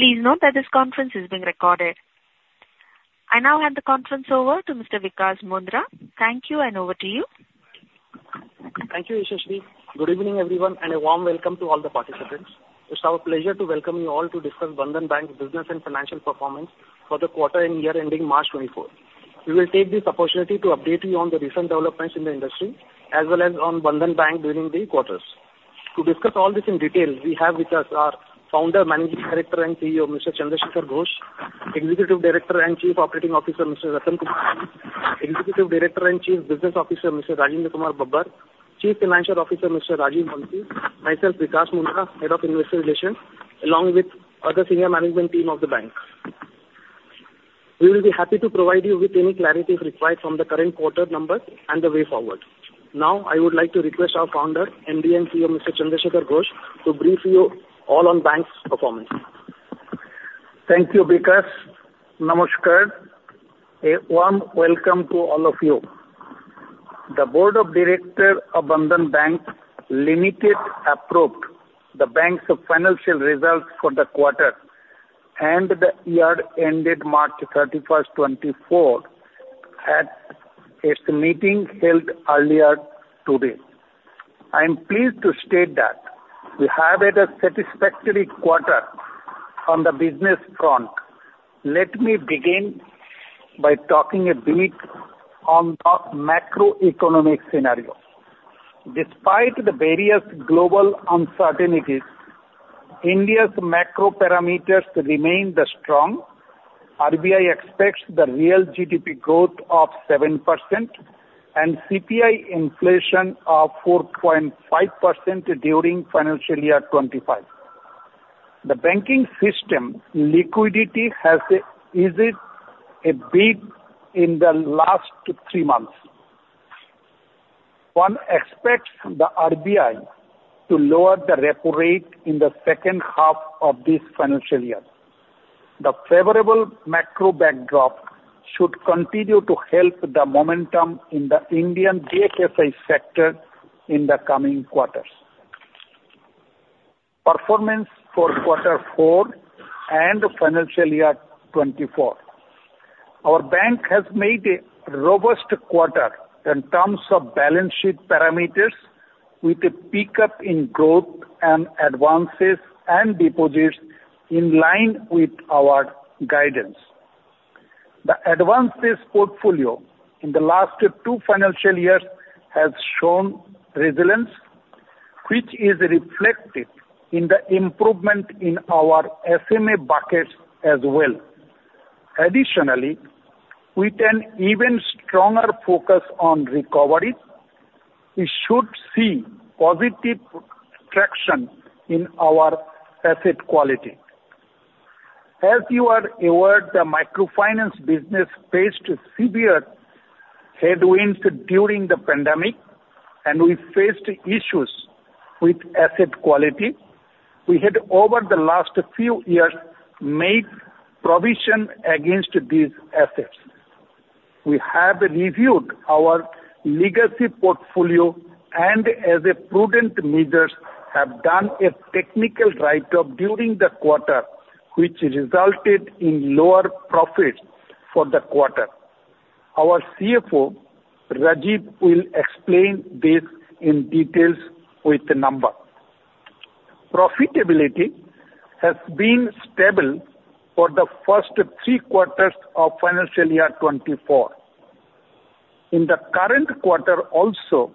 Please note that this conference is being recorded. I now hand the conference over to Mr. Vikash Mundhra. Thank you, and over to you. Thank you, Yashashri. Good evening, everyone, and a warm welcome to all the participants. It's our pleasure to welcome you all to discuss Bandhan Bank's business and financial performance for the quarter and year ending March 2024. We will take this opportunity to update you on the recent developments in the industry, as well as on Bandhan Bank during the quarters. To discuss all this in detail, we have with us our Founder, Managing Director, and CEO, Mr. Chandra Shekhar Ghosh, Executive Director and Chief Operating Officer, Mr. Ratan Kumar Kesh, Executive Director and Chief Business Officer, Mr. Rajinder Kumar Babbar, Chief Financial Officer, Mr. Rajeev Mantri, myself, Vikash Mundhra, Head of Investor Relations, along with other senior management team of the bank. We will be happy to provide you with any clarity required from the current quarter numbers and the way forward. Now, I would like to request our Founder, MD, and CEO, Mr. Chandra Shekhar Ghosh, to brief you all on the bank's performance. Thank you, Vikash. Namaskar. A warm welcome to all of you. The Board of Directors of Bandhan Bank Limited approved the bank's financial results for the quarter and the year ended March 31, 2024, at its meeting held earlier today. I am pleased to state that we have had a satisfactory quarter on the business front. Let me begin by talking a bit on the macroeconomic scenario. Despite the various global uncertainties, India's macro parameters remain strong. RBI expects the real GDP growth of 7% and CPI inflation of 4.5% during financial year 2025. The banking system liquidity is a bit tight in the last three months. One expects the RBI to lower the repo rate in the second half of this financial year. The favorable macro backdrop should continue to help the momentum in the Indian BFSI sector in the coming quarters. Performance for quarter four and the financial year 2024. Our bank has made a robust quarter in terms of balance sheet parameters, with a pickup in growth and advances and deposits in line with our guidance. The advances portfolio in the last two financial years has shown resilience, which is reflected in the improvement in our SMA buckets as well. Additionally, with an even stronger focus on recovery, we should see positive traction in our asset quality. As you are aware, the microfinance business faced severe headwinds during the pandemic, and we faced issues with asset quality. We had, over the last few years, made provision against these assets. We have reviewed our legacy portfolio and, as a prudent measures, have done a technical write-off during the quarter, which resulted in lower profits for the quarter. Our CFO, Rajeev, will explain this in detail with the numbers. Profitability has been stable for the first three quarters of financial year 2024. In the current quarter also,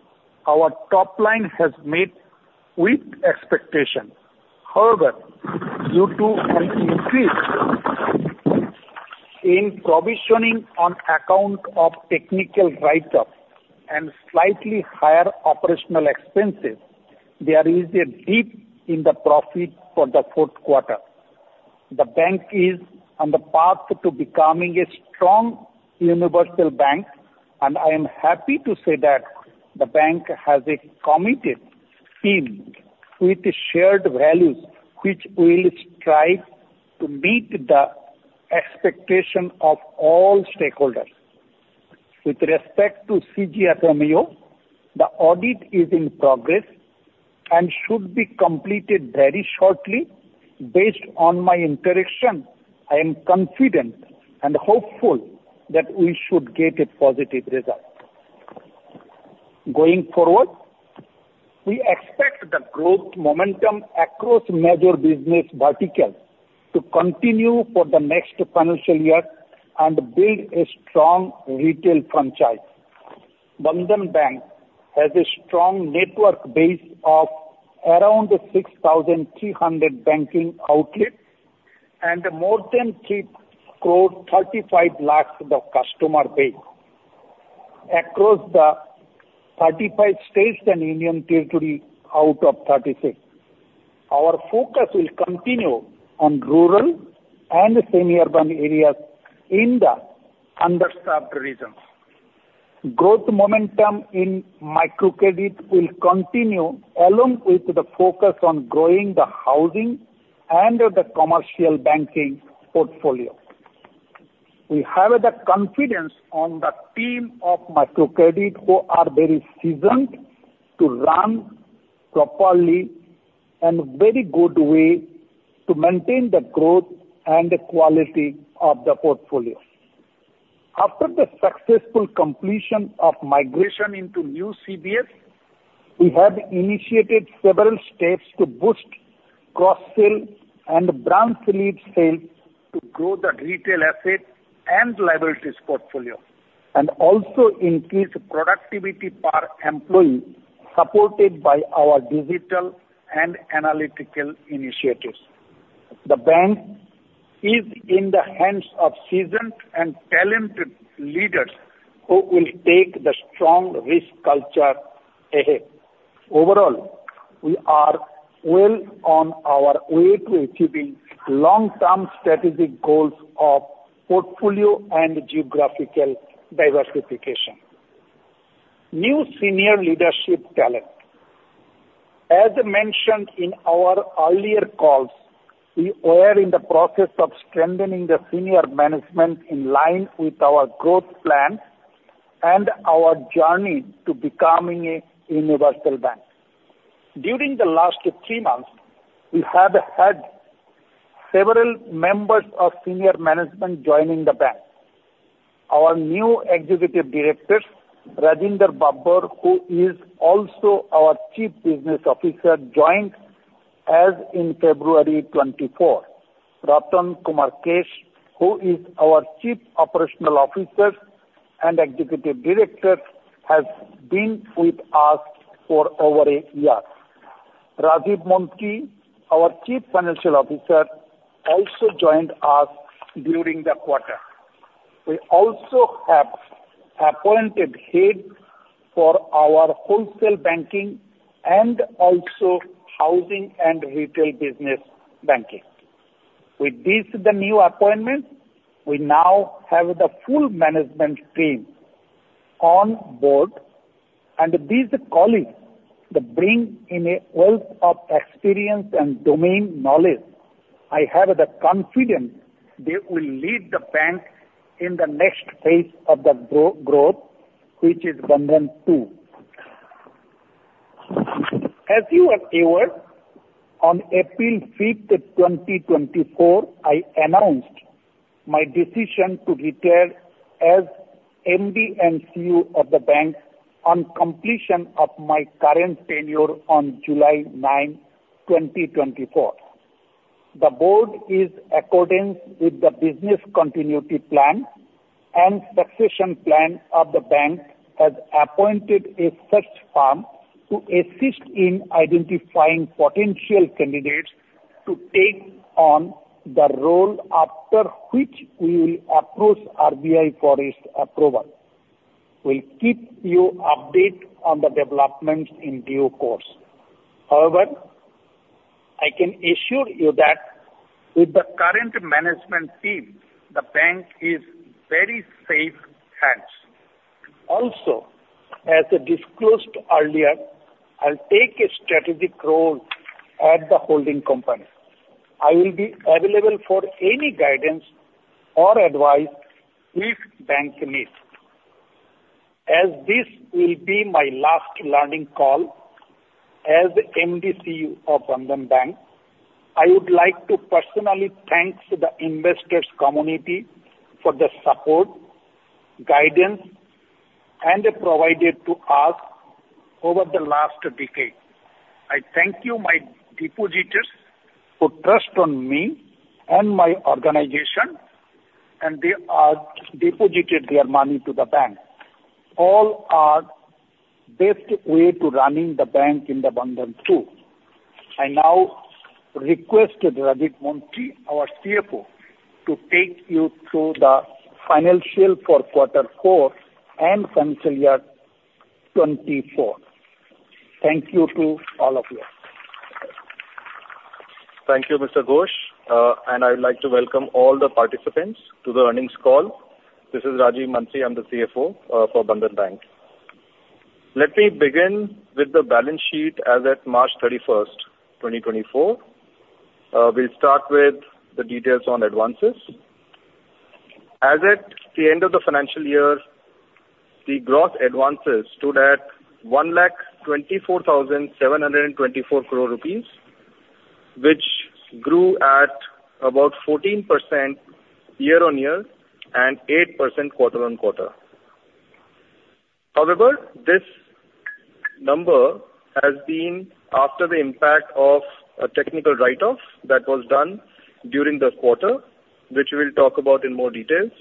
our top line has met with expectation. However, due to an increase in provisioning on account of technical write-off and slightly higher operational expenses, there is a dip in the profit for the fourth quarter. The bank is on the path to becoming a strong universal bank, and I am happy to say that the bank has a committed team with shared values, which will strive to meet the expectation of all stakeholders. With respect to CGFMU, the audit is in progress and should be completed very shortly. Based on my interaction, I am confident and hopeful that we should get a positive result. Going forward, we expect the growth momentum across major business verticals to continue for the next financial year and build a strong retail franchise. Bandhan Bank has a strong network base of around 6,300 banking outlets and more than 33,500,000 customer base across the 35 states and union territory, out of 36. Our focus will continue on rural and semi-urban areas in the underserved regions. Growth momentum in microcredit will continue, along with the focus on growing the housing and the commercial banking portfolio. We have the confidence on the team of microcredit, who are very seasoned, to run properly and very good way to maintain the growth and the quality of the portfolio. After the successful completion of migration into new CBS, we have initiated several steps to boost cross-sell and branch-led sales to grow the retail asset and liabilities portfolio, and also increase productivity per employee, supported by our digital and analytical initiatives. The bank is in the hands of seasoned and talented leaders who will take the strong risk culture ahead. Overall, we are well on our way to achieving long-term strategic goals of portfolio and geographical diversification. New senior leadership talent. As mentioned in our earlier calls, we were in the process of strengthening the senior management in line with our growth plan and our journey to becoming a universal bank. During the last three months, we have had several members of senior management joining the bank. Our new Executive Director, Rajinder Kumar Babbar, who is also our Chief Business Officer, joined us in February 2024. Ratan Kumar Kesh, who is our Chief Operating Officer and Executive Director, has been with us for over a year. Rajeev Mantri, our Chief Financial Officer, also joined us during the quarter. We also have appointed head for our wholesale banking and also housing and retail business banking. With this, the new appointments, we now have the full management team on board, and these colleagues, they bring in a wealth of experience and domain knowledge. I have the confidence they will lead the bank in the next phase of the growth, which is Bandhan 2.0. As you are aware, on April 5, 2024, I announced my decision to retire as MD and CEO of the bank on completion of my current tenure on July 9, 2024. The board, in accordance with the business continuity plan and succession plan of the bank, has appointed a search firm to assist in identifying potential candidates to take on the role, after which we will approach RBI for its approval. We'll keep you updated on the developments in due course. However, I can assure you that with the current management team, the bank is in very safe hands. Also, as disclosed earlier, I'll take a strategic role at the holding company. I will be available for any guidance or advice if the bank needs. As this will be my last earning call as MD and CEO of Bandhan Bank, I would like to personally thank the investors' community for the support and guidance provided to us over the last decade. I thank my depositors, who have trusted me and my organization, and have deposited their money with the bank. All the best to the team running the bank in Bandhan 2.0. I now request Rajeev Mantri, our CFO, to take you through the financials for quarter four and financial year 2024. Thank you to all of you. Thank you, Mr. Ghosh. I'd like to welcome all the participants to the earnings call. This is Rajeev Mantri. I'm the CFO for Bandhan Bank. Let me begin with the balance sheet as at March 31, 2024. We'll start with the details on advances. As at the end of the financial year, the gross advances stood at 124,724 crore rupees, which grew at about 14% year-on-year and 8% quarter-on-quarter. However, this number has been after the impact of a technical write-off that was done during the quarter, which we'll talk about in more details.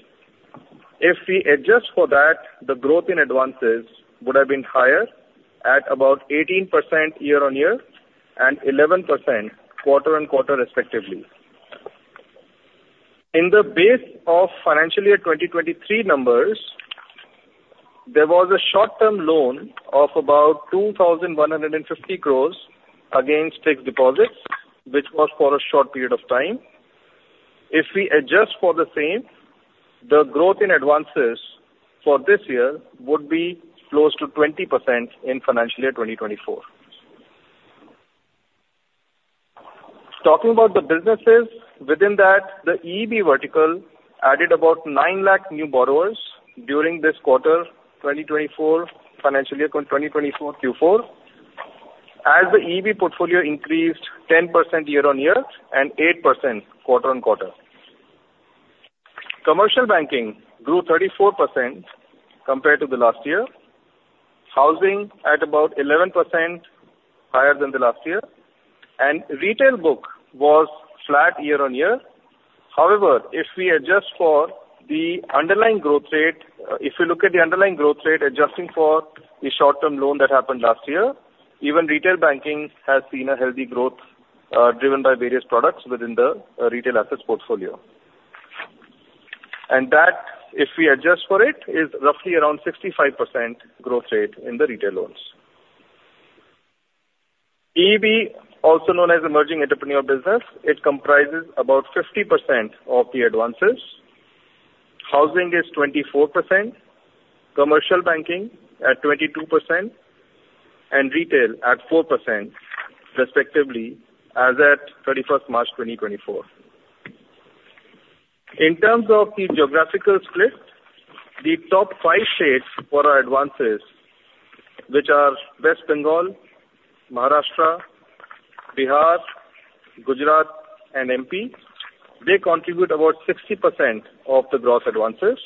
If we adjust for that, the growth in advances would have been higher at about 18% year-on-year and 11% quarter-on-quarter respectively. In the base of financial year 2023 numbers, there was a short-term loan of about 2,150 crore against fixed deposits, which was for a short period of time. If we adjust for the same, the growth in advances for this year would be close to 20% in financial year 2024. Talking about the businesses, within that, the EEB vertical added about 900,000 new borrowers during this quarter, 2024, financial year 2024 Q4, as the EEB portfolio increased 10% year-on-year and 8% quarter-on-quarter. Commercial Banking grew 34% compared to the last year, Housing at about 11% higher than the last year, and retail book was flat year-on-year. However, if we adjust for the underlying growth rate, if you look at the underlying growth rate, adjusting for the short-term loan that happened last year, even retail banking has seen a healthy growth, driven by various products within the retail assets portfolio. And that, if we adjust for it, is roughly around 65% growth rate in the retail loans. EEB, also known as Emerging Entrepreneurs Business, it comprises about 50% of the advances. Housing is 24%, commercial banking at 22%, and retail at 4% respectively, as at 31st March 2024. In terms of the geographical split, the top five states for our advances, which are West Bengal, Maharashtra, Bihar, Gujarat and MP, they contribute about 60% of the gross advances,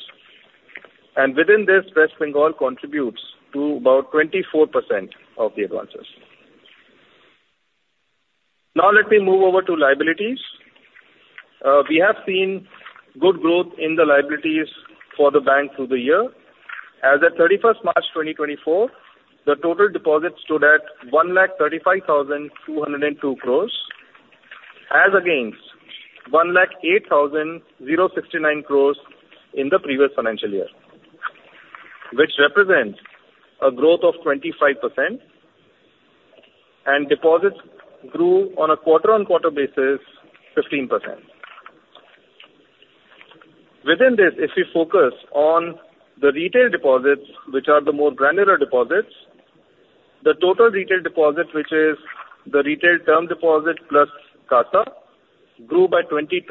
and within this, West Bengal contributes to about 24% of the advances. Now, let me move over to liabilities. We have seen good growth in the liabilities for the bank through the year. As at 31 March 2024, the total deposits stood at 135,202 crore, as against 108,069 crore in the previous financial year, which represents a growth of 25%, and deposits grew on a quarter-on-quarter basis, 15%. Within this, if we focus on the retail deposits, which are the more granular deposits, the total retail deposits, which is the retail term deposit plus CASA, grew by 22%,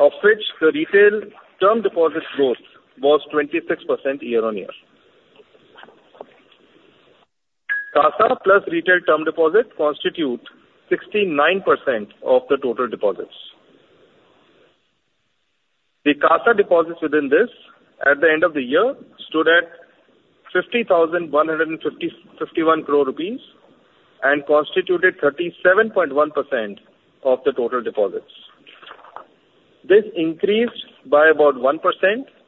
of which the retail term deposits growth was 26% year-on-year. CASA plus retail term deposit constitute 69% of the total deposits. The CASA deposits within this, at the end of the year, stood at 51,150 crore rupees and constituted 37.1% of the total deposits. This increased by about 1%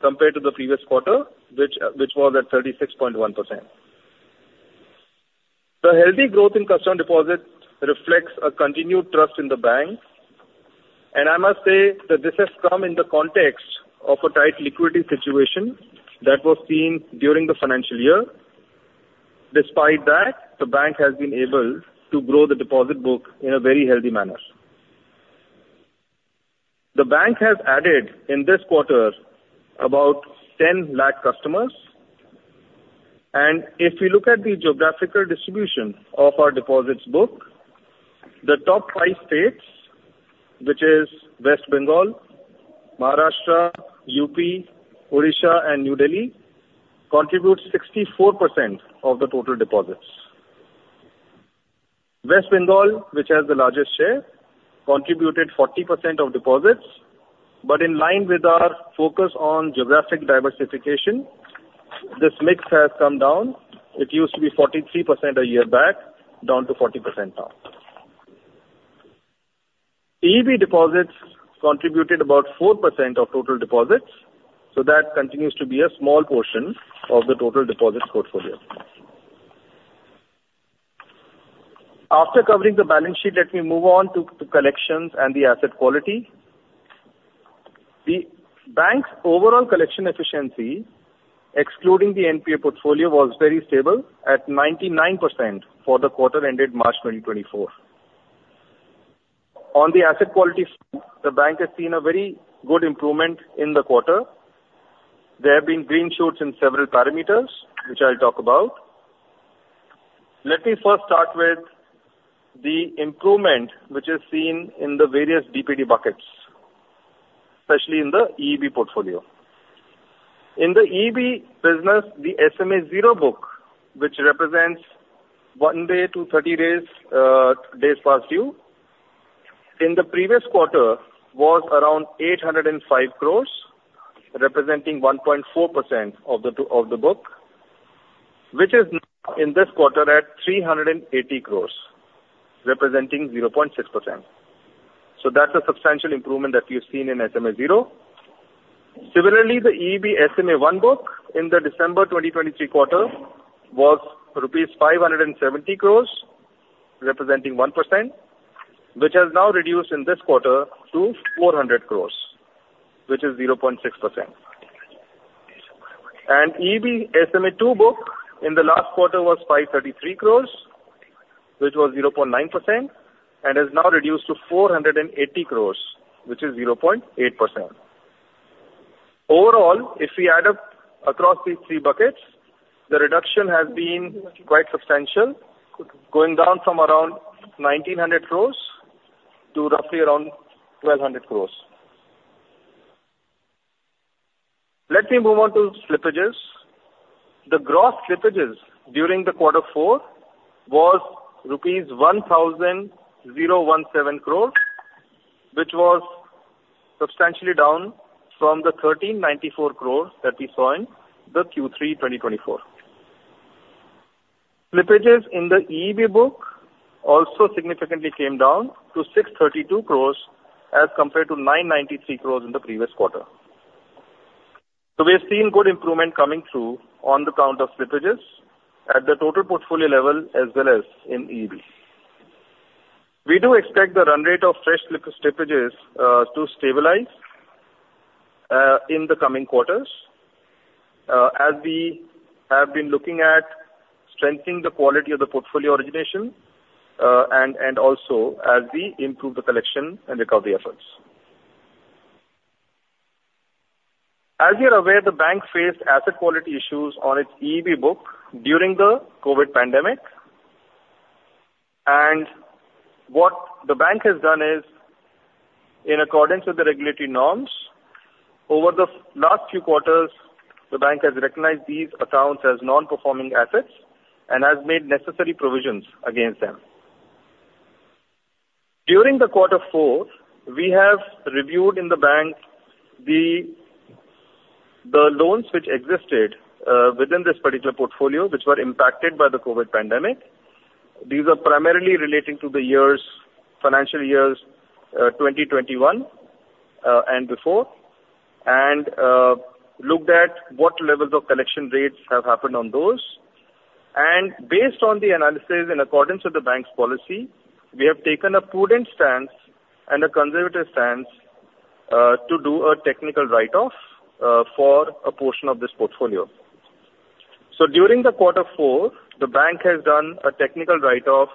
compared to the previous quarter, which, which was at 36.1%. The healthy growth in customer deposits reflects a continued trust in the bank, and I must say that this has come in the context of a tight liquidity situation that was seen during the financial year. Despite that, the bank has been able to grow the deposit book in a very healthy manner. The bank has added, in this quarter, about 10 lakh customers, and if we look at the geographical distribution of our deposits book, the top five states, which is West Bengal, Maharashtra, UP, Odisha and New Delhi, contribute 64% of the total deposits. West Bengal, which has the largest share, contributed 40% of deposits, but in line with our focus on geographic diversification, this mix has come down. It used to be 43% a year back, down to 40% now. EEB deposits contributed about 4% of total deposits, so that continues to be a small portion of the total deposits portfolio. After covering the balance sheet, let me move on to collections and the asset quality. The bank's overall collection efficiency, excluding the NPA portfolio, was very stable at 99% for the quarter ended March 2024. On the asset quality, the bank has seen a very good improvement in the quarter. There have been green shoots in several parameters, which I'll talk about. Let me first start with the improvement, which is seen in the various DPD buckets, especially in the EEB portfolio. In the EEB business, the SMA zero book, which represents one day to thirty days days past due, in the previous quarter, was around 805 crore, representing 1.4% of the two, of the book, which is now in this quarter at 380 crore, representing 0.6%. So that's a substantial improvement that we've seen in SMA zero. Similarly, the EEB SMA one book in the December 2023 quarter was rupees 570 crore, representing 1%, which has now reduced in this quarter to 400 crore, which is 0.6%. EEB SMA 2 book in the last quarter was 533 crore, which was 0.9% and is now reduced to 480 crore, which is 0.8%. Overall, if we add up across these three buckets, the reduction has been quite substantial, going down from around 1,900 crore to roughly around 1,200 crore. Let me move on to slippages. The gross slippages during quarter four was rupees 1,017 crore, which was substantially down from the 1,394 crore that we saw in the Q3 2024. Slippages in the EEB book also significantly came down to 632 crore, as compared to 993 crore in the previous quarter. So we are seeing good improvement coming through on the count of slippages at the total portfolio level, as well as in EEB. We do expect the run rate of fresh slippages to stabilize in the coming quarters as we have been looking at strengthening the quality of the portfolio origination and also as we improve the collection and recovery efforts. As you're aware, the bank faced asset quality issues on its EEB book during the COVID pandemic. What the bank has done is, in accordance with the regulatory norms, over the last few quarters, the bank has recognized these accounts as non-performing assets and has made necessary provisions against them. During the quarter four, we have reviewed in the bank the loans which existed within this particular portfolio, which were impacted by the COVID pandemic. These are primarily relating to the financial years 2021 and before and looked at what levels of collection rates have happened on those. Based on the analysis, in accordance with the bank's policy, we have taken a prudent stance and a conservative stance to do a technical write-off for a portion of this portfolio. So during quarter four, the bank has done a technical write-off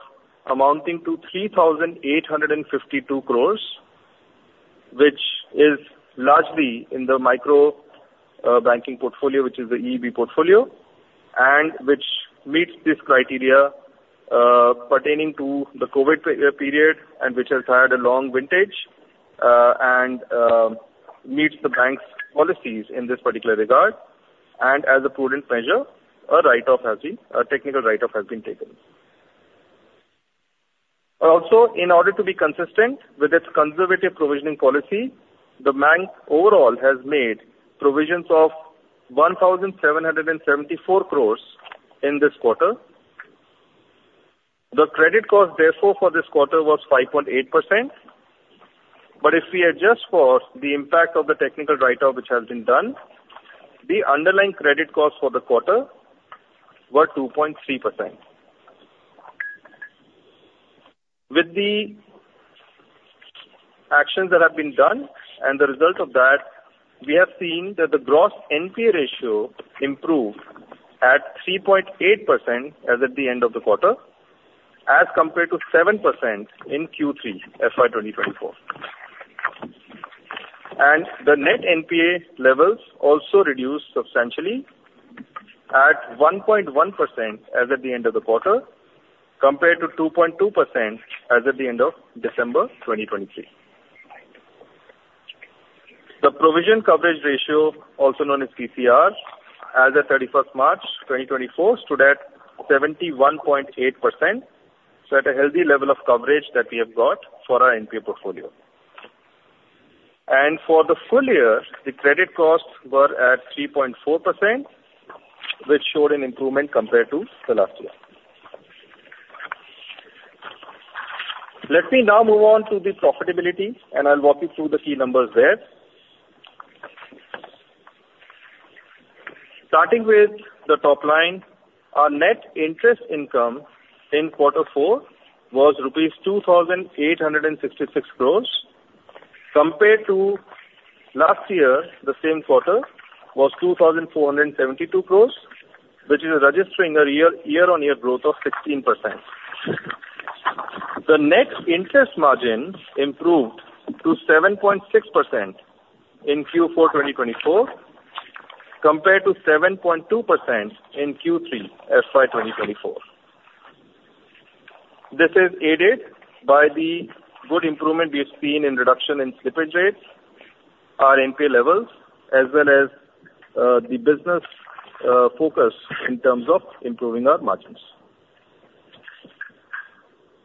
amounting to 3,852 crore, which is largely in the micro banking portfolio, which is the EEB portfolio, and which meets this criteria pertaining to the pre-COVID period, and which has had a long vintage, and meets the bank's policies in this particular regard. And as a prudent measure, a write-off has been... A technical write-off has been taken. Also, in order to be consistent with its conservative provisioning policy, the bank overall has made provisions of 1,774 crore in this quarter. The credit cost, therefore, for this quarter was 5.8%, but if we adjust for the impact of the technical write-off, which has been done, the underlying credit costs for the quarter were 2.3%. With the actions that have been done and the result of that, we have seen that the gross NPA ratio improved at 3.8% as at the end of the quarter, as compared to 7% in Q3 FY 2024. The net NPA levels also reduced substantially at 1.1% as at the end of the quarter, compared to 2.2% as at the end of December 2023. The provision coverage ratio, also known as PCR, as at 31st March 2024, stood at 71.8%, so at a healthy level of coverage that we have got for our NPA portfolio. For the full year, the credit costs were at 3.4%, which showed an improvement compared to the last year. Let me now move on to the profitability, and I'll walk you through the key numbers there. Starting with the top line, our net interest income in quarter four was rupees 2,866 crores, compared to last year, the same quarter, was 2,472 crores, which is registering a year-on-year growth of 16%. The net interest margin improved to 7.6% in Q4 2024, compared to 7.2% in Q3 FY 2024. This is aided by the good improvement we have seen in reduction in slippage rates, our NPA levels, as well as, the business, focus in terms of improving our margins.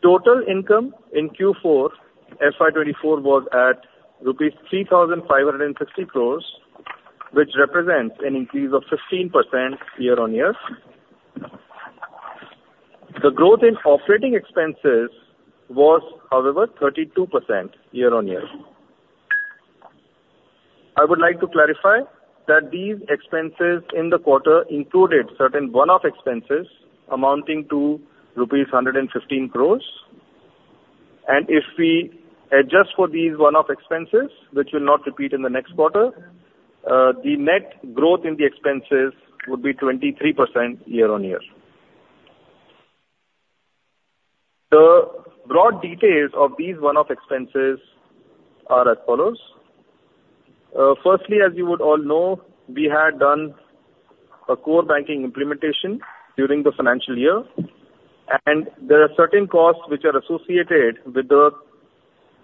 Total income in Q4 FY 2024 was at rupees 3,550 crore, which represents an increase of 15% year-on-year. The growth in operating expenses was, however, 32% year-on-year. I would like to clarify that these expenses in the quarter included certain one-off expenses amounting to rupees 115 crore, and if we adjust for these one-off expenses, which will not repeat in the next quarter, the net growth in the expenses would be 23% year-on-year.... The broad details of these one-off expenses are as follows: firstly, as you would all know, we had done a core banking implementation during the financial year, and there are certain costs which are associated with the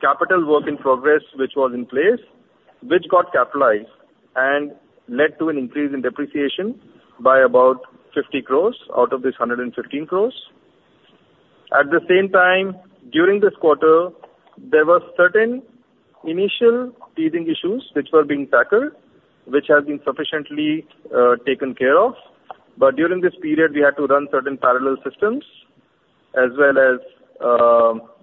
capital work in progress, which was in place, which got capitalized and led to an increase in depreciation by about 50 crore out of this 115 crore. At the same time, during this quarter, there were certain initial teething issues which were being tackled, which have been sufficiently taken care of. But during this period, we had to run certain parallel systems as well as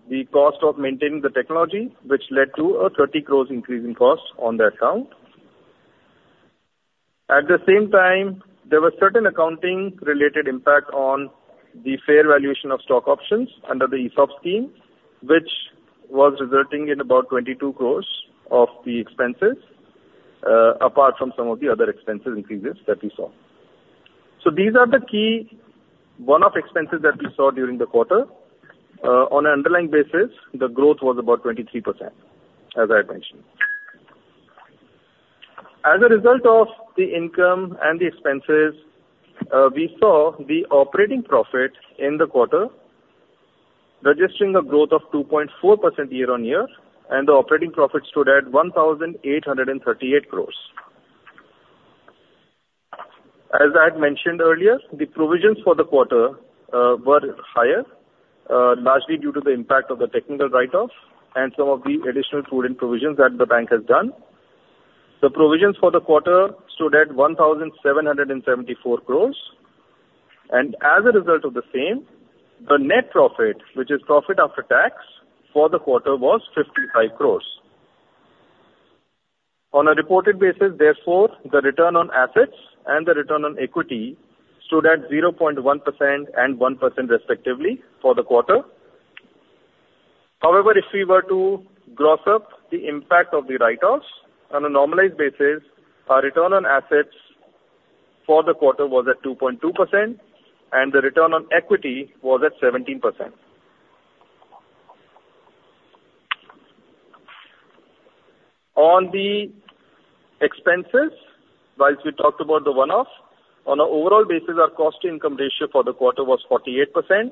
the cost of maintaining the technology, which led to a 30 crore increase in cost on that account. At the same time, there were certain accounting-related impact on the fair valuation of stock options under the ESOP scheme, which was resulting in about 22 crore of the expenses, apart from some of the other expense increases that we saw. So these are the key one-off expenses that we saw during the quarter. On an underlying basis, the growth was about 23%, as I had mentioned. As a result of the income and the expenses, we saw the operating profit in the quarter registering a growth of 2.4% year-on-year, and the operating profit stood at 1,838 crore. As I had mentioned earlier, the provisions for the quarter were higher, largely due to the impact of the technical write-off and some of the additional prudent provisions that the bank has done. The provisions for the quarter stood at 1,774 crore, and as a result of the same, the net profit, which is profit after tax for the quarter, was 55 crore. On a reported basis, therefore, the return on assets and the return on equity stood at 0.1% and 1%, respectively, for the quarter. However, if we were to gross up the impact of the write-offs, on a normalized basis, our return on assets for the quarter was at 2.2% and the return on equity was at 17%. On the expenses, while we talked about the one-off, on an overall basis, our cost-to-income ratio for the quarter was 48%.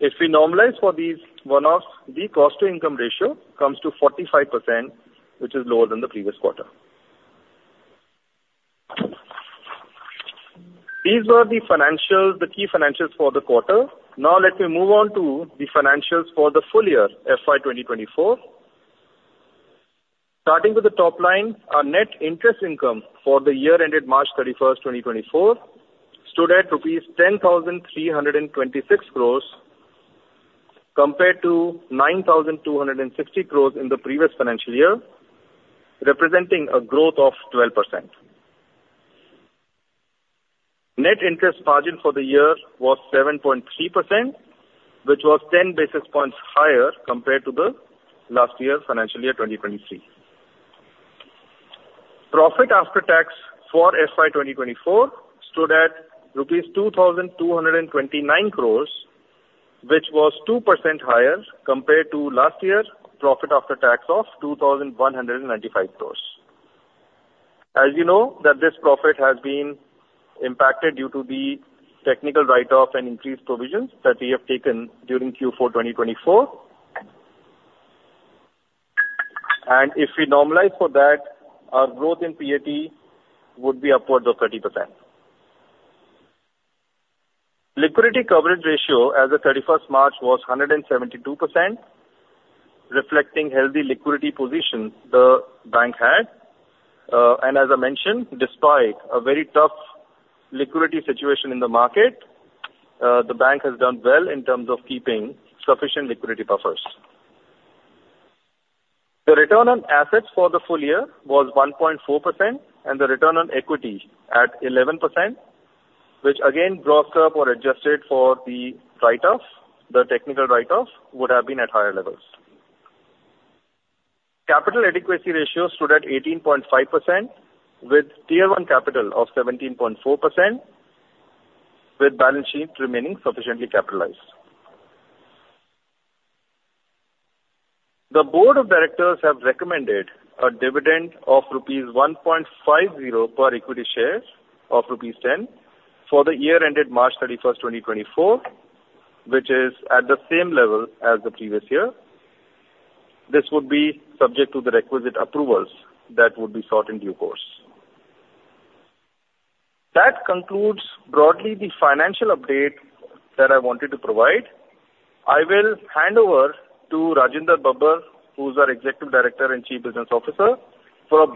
If we normalize for these one-offs, the cost-to-income ratio comes to 45%, which is lower than the previous quarter. These were the financials, the key financials for the quarter. Now, let me move on to the financials for the full year, FY 2024. Starting with the top line, our net interest income for the year ended March 31, 2024, stood at rupees 10,326 crore, compared to 9,260 crore in the previous financial year, representing a growth of 12%. Net interest margin for the year was 7.3%, which was 10 basis points higher compared to the last year's financial year, 2023. Profit after tax for FY 2024 stood at rupees 2,229 crore, which was 2% higher compared to last year's profit after tax of 2,195 crore. As you know, that this profit has been impacted due to the technical write-off and increased provisions that we have taken during Q4 2024. If we normalize for that, our growth in PAT would be upwards of 30%. Liquidity coverage ratio as of March 31 was 172%, reflecting healthy liquidity position the bank had. And as I mentioned, despite a very tough liquidity situation in the market, the bank has done well in terms of keeping sufficient liquidity buffers. The return on assets for the full year was 1.4%, and the return on equity at 11%, which again, grossed up or adjusted for the write-off, the technical write-off, would have been at higher levels. Capital adequacy ratio stood at 18.5%, with Tier 1 Capital of 17.4%, with balance sheet remaining sufficiently capitalized. The board of directors have recommended a dividend of rupees 1.50 per equity share of rupees 10 for the year ended March 31, 2024, which is at the same level as the previous year. This would be subject to the requisite approvals that would be sought in due course. That concludes broadly the financial update that I wanted to provide. I will hand over to Rajinder Babbar, who's our Executive Director and Chief Business Officer, for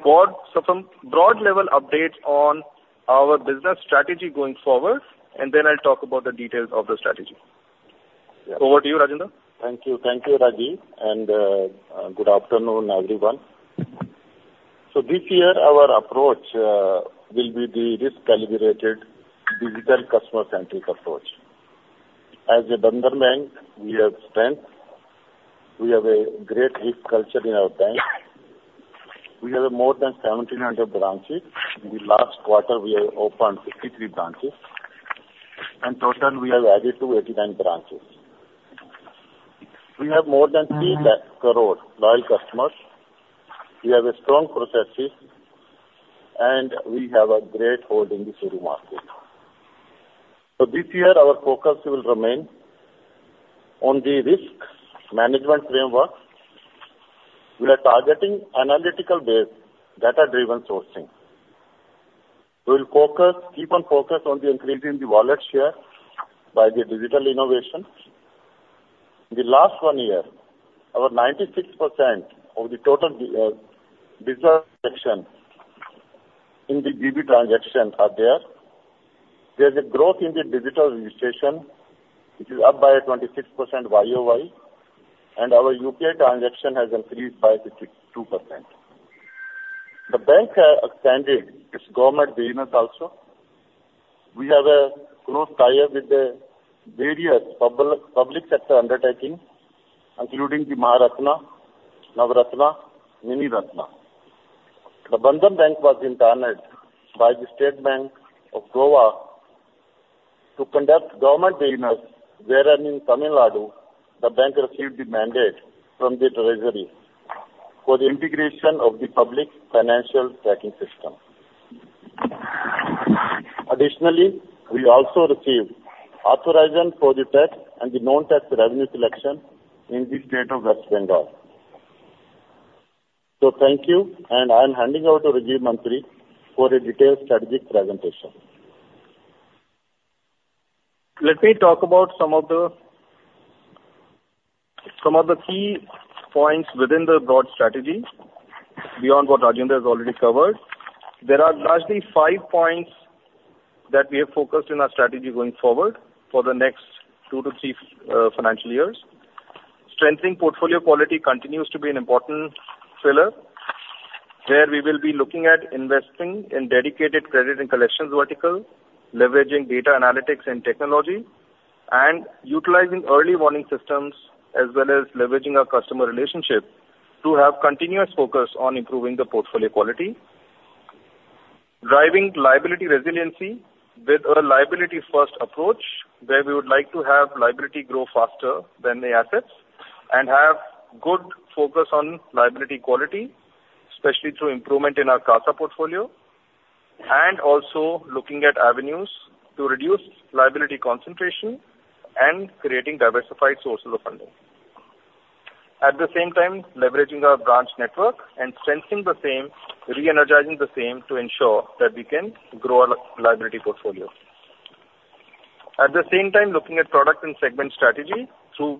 some broad level updates on our business strategy going forward, and then I'll talk about the details of the strategy. Over to you, Rajinder. Thank you. Thank you, Rajeev, and good afternoon, everyone. So this year, our approach will be the risk-calibrated, digital, customer-centric approach. As Bandhan Bank, we have strength, we have a great risk culture in our bank. We have more than 1,700 branches. In the last quarter, we have opened 63 branches, and total we have added to 89 branches. We have more than 3 lakh crore loyal customers. We have a strong processes, and we have a great hold in the share market. So this year, our focus will remain on the risk management framework. We are targeting analytical-based, data-driven sourcing. We will focus, keep on focus on the increasing the wallet share by the digital innovation. The last one year, our 96% of the total digital section in the retail transactions are there. There's a growth in the digital registration, which is up by 26% YoY, and our UPI transaction has increased by 52%. The bank has expanded its government business also. We have a close tie-up with the various public sector undertaking, including the Maharatna, Navratna, Miniratna. The Bandhan Bank was invited by the State Government of Goa to conduct government business there, and in Tamil Nadu, the bank received the mandate from the treasury for the integration of the public financial tracking system. Additionally, we also received authorization for the tax and the non-tax revenue collection in the state of West Bengal. So thank you, and I'm handing over to Rajeev Mantri for a detailed strategic presentation. Let me talk about some of the, some of the key points within the broad strategy beyond what Rajinder has already covered. There are largely 5 points that we have focused in our strategy going forward for the next two-three financial years. Strengthening portfolio quality continues to be an important pillar, where we will be looking at investing in dedicated credit and collections vertical, leveraging data analytics and technology, and utilizing early warning systems, as well as leveraging our customer relationship to have continuous focus on improving the portfolio quality. Driving liability resiliency with a liability-first approach, where we would like to have liability grow faster than the assets and have good focus on liability quality, especially through improvement in our CASA portfolio, and also looking at avenues to reduce liability concentration and creating diversified sources of funding. At the same time, leveraging our branch network and strengthening the same, re-energizing the same to ensure that we can grow our liability portfolio. At the same time, looking at product and segment strategy through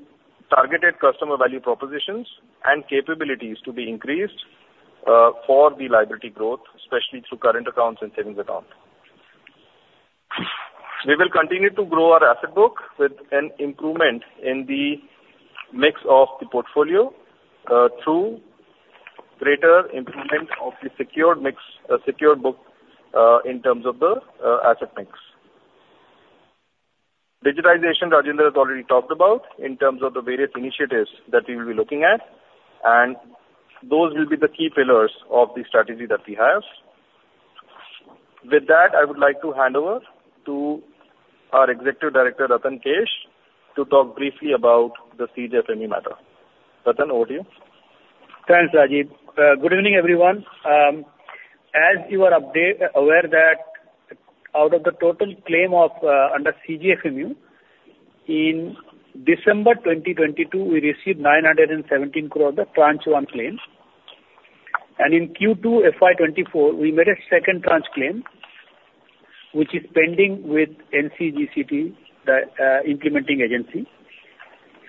targeted customer value propositions and capabilities to be increased, for the liability growth, especially through current accounts and savings account. We will continue to grow our asset book with an improvement in the mix of the portfolio, through greater improvement of the secured mix, secured book, in terms of the asset mix. Digitization, Rajinder has already talked about in terms of the various initiatives that we will be looking at, and those will be the key pillars of the strategy that we have. With that, I would like to hand over to our Executive Director, Ratan Kesh, to talk briefly about the CGFMU matter. Ratan, over to you. Thanks, Rajeev. Good evening, everyone. As you are aware that out of the total claim of under CGFMU, in December 2022, we received 917 crore of the tranche one claim, and in Q2 FY 2024, we made a second tranche claim, which is pending with NCGTC, the implementing agency.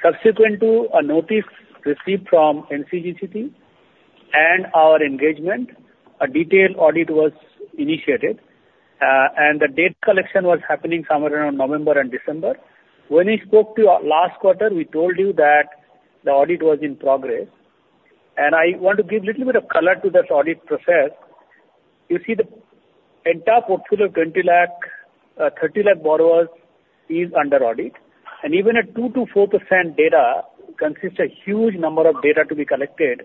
Subsequent to a notice received from NCGTC and our engagement, a detailed audit was initiated, and the data collection was happening somewhere around November and December. When we spoke to you last quarter, we told you that the audit was in progress, and I want to give little bit of color to this audit process. You see, the entire portfolio, 20 lakh, 30 lakh borrowers is under audit, and even a 2%-4% data consists a huge number of data to be collected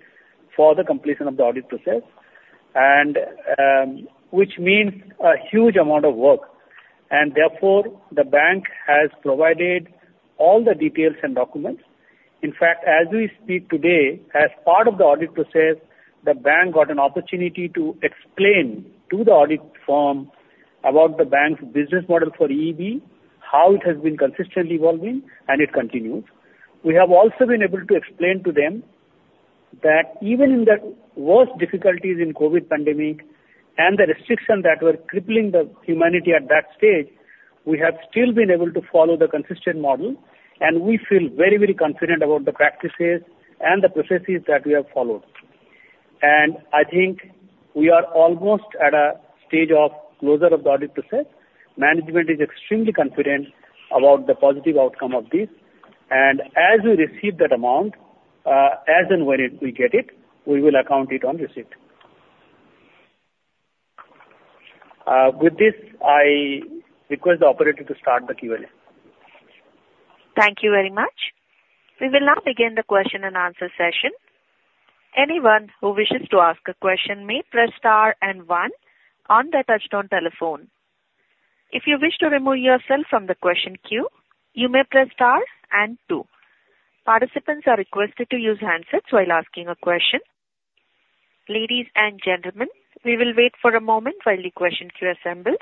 for the completion of the audit process, and, which means a huge amount of work. And therefore, the bank has provided all the details and documents. In fact, as we speak today, as part of the audit process, the bank got an opportunity to explain to the audit firm about the bank's business model for EEB, how it has been consistently evolving, and it continues. We have also been able to explain to them that even in the worst difficulties in COVID pandemic and the restrictions that were crippling the humanity at that stage, we have still been able to follow the consistent model, and we feel very, very confident about the practices and the processes that we have followed. I think we are almost at a stage of closure of the audit process. Management is extremely confident about the positive outcome of this, and as we receive that amount, as and when we get it, we will account it on receipt. With this, I request the operator to start the Q&A. Thank you very much. We will now begin the question and answer session. Anyone who wishes to ask a question may press star and one on their touchtone telephone. If you wish to remove yourself from the question queue, you may press star and two. Participants are requested to use handsets while asking a question. Ladies and gentlemen, we will wait for a moment while the question queue assembles.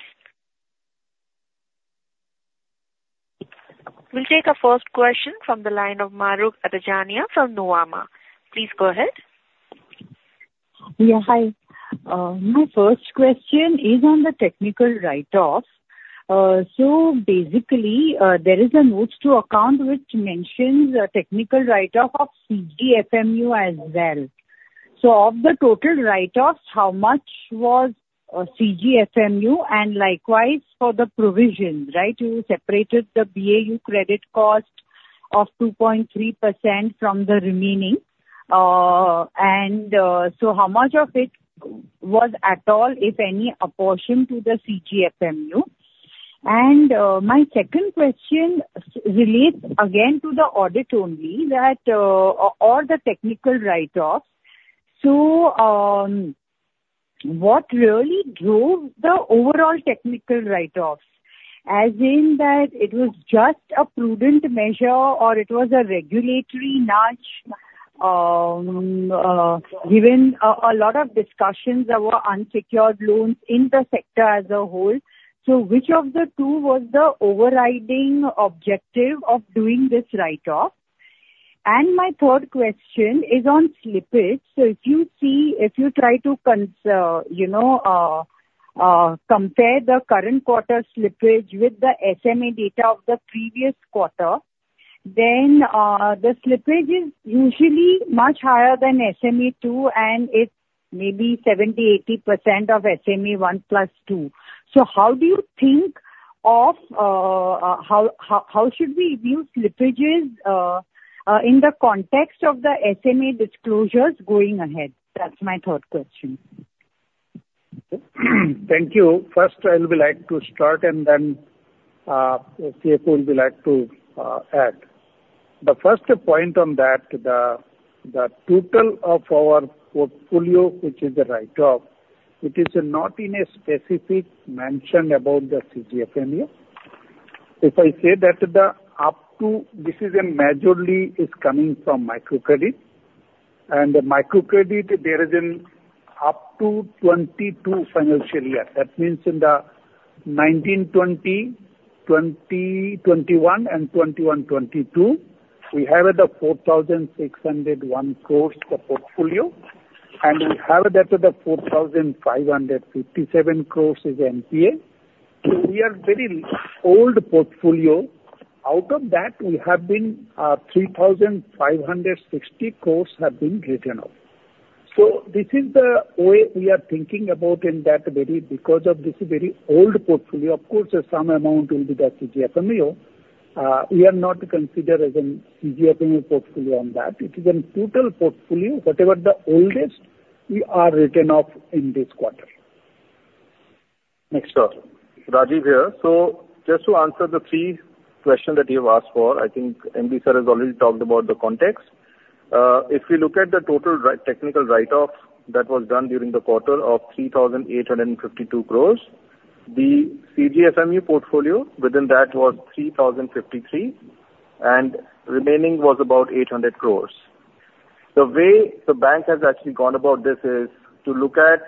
We'll take our first question from the line of Mahrukh Adajania from Nuvama. Please go ahead. Yeah, hi. My first question is on the technical write-off. So basically, there is a note to account which mentions a technical write-off of CGFMU as well. So of the total write-offs, how much was CGFMU, and likewise for the provision, right? You separated the BAU credit cost of 2.3% from the remaining. And so how much of it was at all, if any, apportioned to the CGFMU? And my second question relates again to the audit only, that all the technical write-offs. So, what really drove the overall technical write-offs, as in that it was just a prudent measure, or it was a regulatory nudge? Given a lot of discussions about unsecured loans in the sector as a whole, so which of the two was the overriding objective of doing this write-off? My third question is on slippage. So if you see, if you try to, you know, compare the current quarter slippage with the SMA data of the previous quarter, then the slippage is usually much higher than SMA two, and it's maybe 70%-80% of SMA one plus two. So how do you think of how should we view slippages in the context of the SMA disclosures going ahead? That's my third question. Thank you. First, I would like to start, and then CFO would like to add. The first point on that, the total of our portfolio, which is the write-off, it is not in a specific mention about the CGFMU. If I say that the up to—this is a majorly is coming from microcredit, and microcredit, there is an up to 2022 financial year. That means in the 2019-2020, 2020-2021, and 2021-2022, we have the 4,601 crore portfolio, and we have that the 4,557 crore is NPA. So we are very old portfolio. Out of that, we have been three thousand five hundred and sixty crores have been written off. So this is the way we are thinking about in that very, because of this very old portfolio, of course, some amount will be the CGFMU. We are not considered as an CGFMU portfolio on that. It is a total portfolio, whatever the oldest we are written off in this quarter. Next slide. Rajeev here. So just to answer the three questions that you have asked for, I think MD sir has already talked about the context. If we look at the total write, technical write-offs that was done during the quarter of 3,852 crore, the CGFMU portfolio within that was 3,053 crore, and remaining was about 800 crore. The way the bank has actually gone about this is to look at,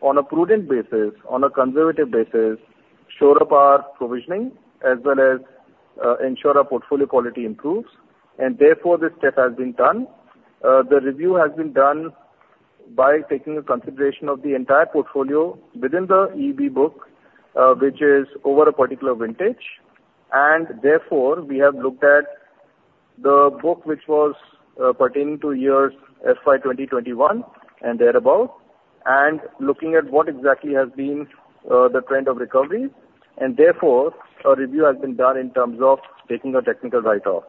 on a prudent basis, on a conservative basis, sure of our provisioning, as well as, ensure our portfolio quality improves, and therefore, this step has been done. The review has been done by taking a consideration of the entire portfolio within the EEB book, which is over a particular vintage, and therefore, we have looked at the book, which was, pertaining to years FY 2021 and thereabout, and looking at what exactly has been, the trend of recovery, and therefore, a review has been done in terms of taking a technical write-off.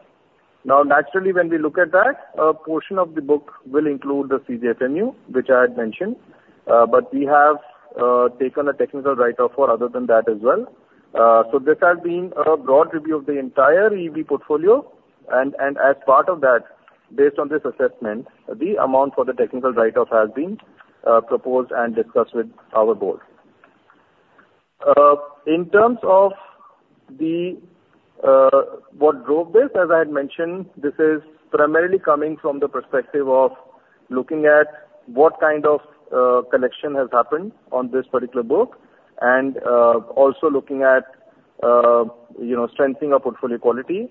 Now, naturally, when we look at that, a portion of the book will include the CGFMU, which I had mentioned, but we have, taken a technical write-off for other than that as well. So this has been a broad review of the entire EEB portfolio, and, and as part of that, based on this assessment, the amount for the technical write-off has been, proposed and discussed with our board. In terms of the what drove this, as I had mentioned, this is primarily coming from the perspective of looking at what kind of collection has happened on this particular book, and also looking at, you know, strengthening our portfolio quality.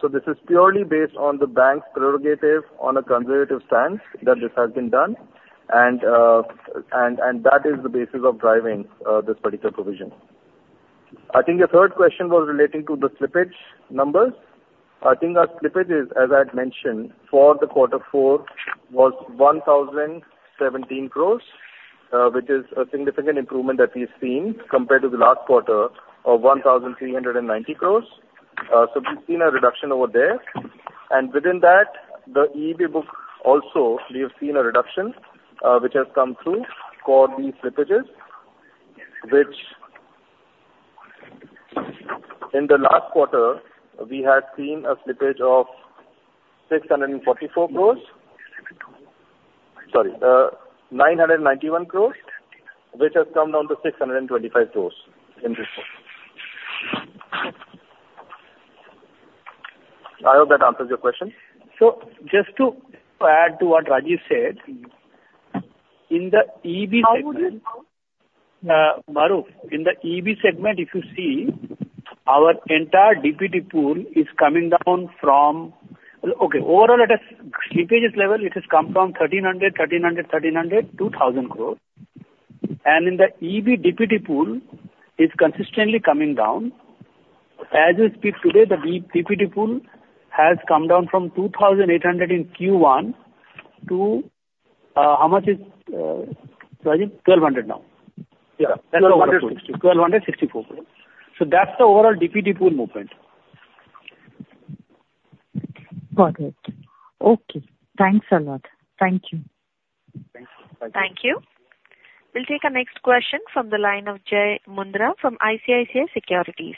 So this is purely based on the bank's prerogative on a conservative stance that this has been done, and, and, and that is the basis of driving this particular provision. I think your third question was relating to the slippage numbers. I think our slippage is, as I had mentioned, for quarter four was 1,017 crore, which is a significant improvement that we've seen compared to the last quarter of 1,390 crore. So we've seen a reduction over there, and within that, the EEB book also, we have seen a reduction, which has come through for these slippages, which in the last quarter, we had seen a slippage of 644 crore. Sorry, 991 crore, which has come down to 625 crore in this quarter. I hope that answers your question. Just to add to what Rajeev said, in the EEB segment- How would you, how- Mahrukh, in the EEB segment, if you see, our entire DPD pool is coming down from. Okay, overall at a slippages level, it has come from 1,360 crore, 1,320 crore, 1,390 crore to INR 1,000 crore, and in the EEB DPD pool, is consistently coming down. As we speak today, the DPD pool has come down from 2,800 crore in Q1 to, how much is, Rajeev? 1,200 crore now. Yeah, 1,260. 1,264 crore. So that's the overall DPD pool movement. Got it. Okay. Thanks a lot. Thank you. Thank you. Thank you. We'll take our next question from the line of Jai Mundhra, from ICICI Securities.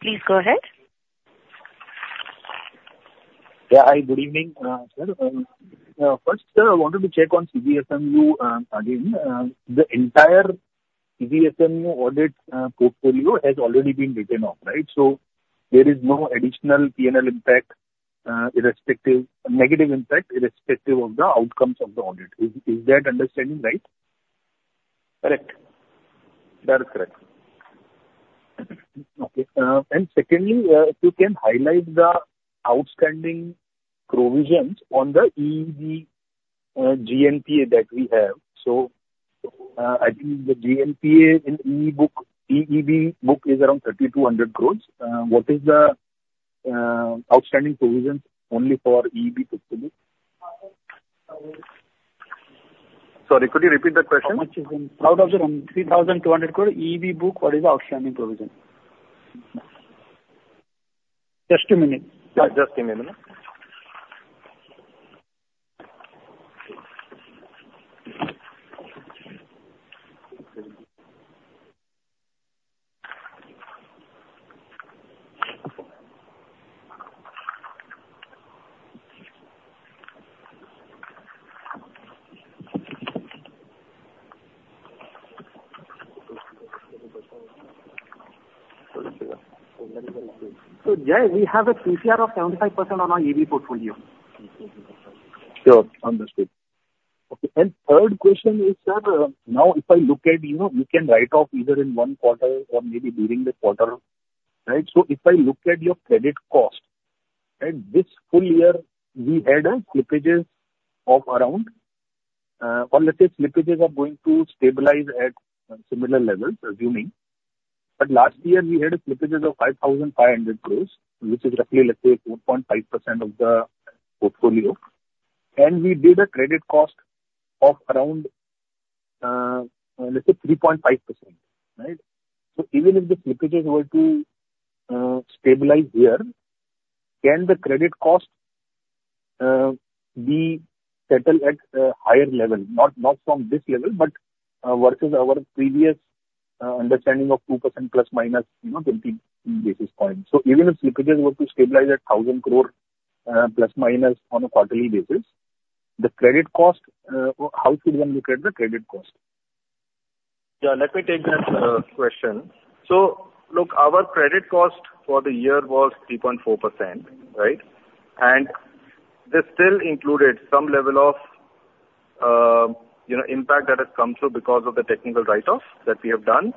Please go ahead. Yeah, hi, good evening, sir. First, sir, I wanted to check on CGFMU again. The entire CGFMU audit portfolio has already been written off, right? So there is no additional PNL impact, irrespective, negative impact, irrespective of the outcomes of the audit. Is that understanding right? Correct. That's correct. Okay, and secondly, if you can highlight the outstanding provisions on the EEB, GNPA that we have. So, I think the GNPA in EEB book, EEB book is around 3,200 crore. What is the, outstanding provisions only for EEB portfolio? Sorry, could you repeat the question? Out of the 3,200 crore EEB book, what is the outstanding provision? Just a minute. Just a minute. Jai, we have a PCR of 75% on our EEB portfolio. Sure, understood. Okay, and third question is, sir, now if I look at, you know, you can write off either in one quarter or maybe during the quarter, right? So if I look at your credit cost, and this full year, we had slippages of around, or let's say slippages are going to stabilize at similar levels, assuming, but last year we had slippages of 5,500 crore, which is roughly, let's say, 4.5% of the portfolio, and we did a credit cost of around, let's say, 3.5%, right? So even if the slippages were to stabilize here, can the credit cost be settled at a higher level? Not, not from this level, but, versus our previous, understanding of 2% plus minus, you know, 20 basis points. So even if slippages were to stabilize at 1,000 crore ± on a quarterly basis, the credit cost, how should one look at the credit cost? Yeah, let me take that, question. So, look, our credit cost for the year was 3.4%, right? And this still included some level of, you know, impact that has come through because of the technical write-off that we have done.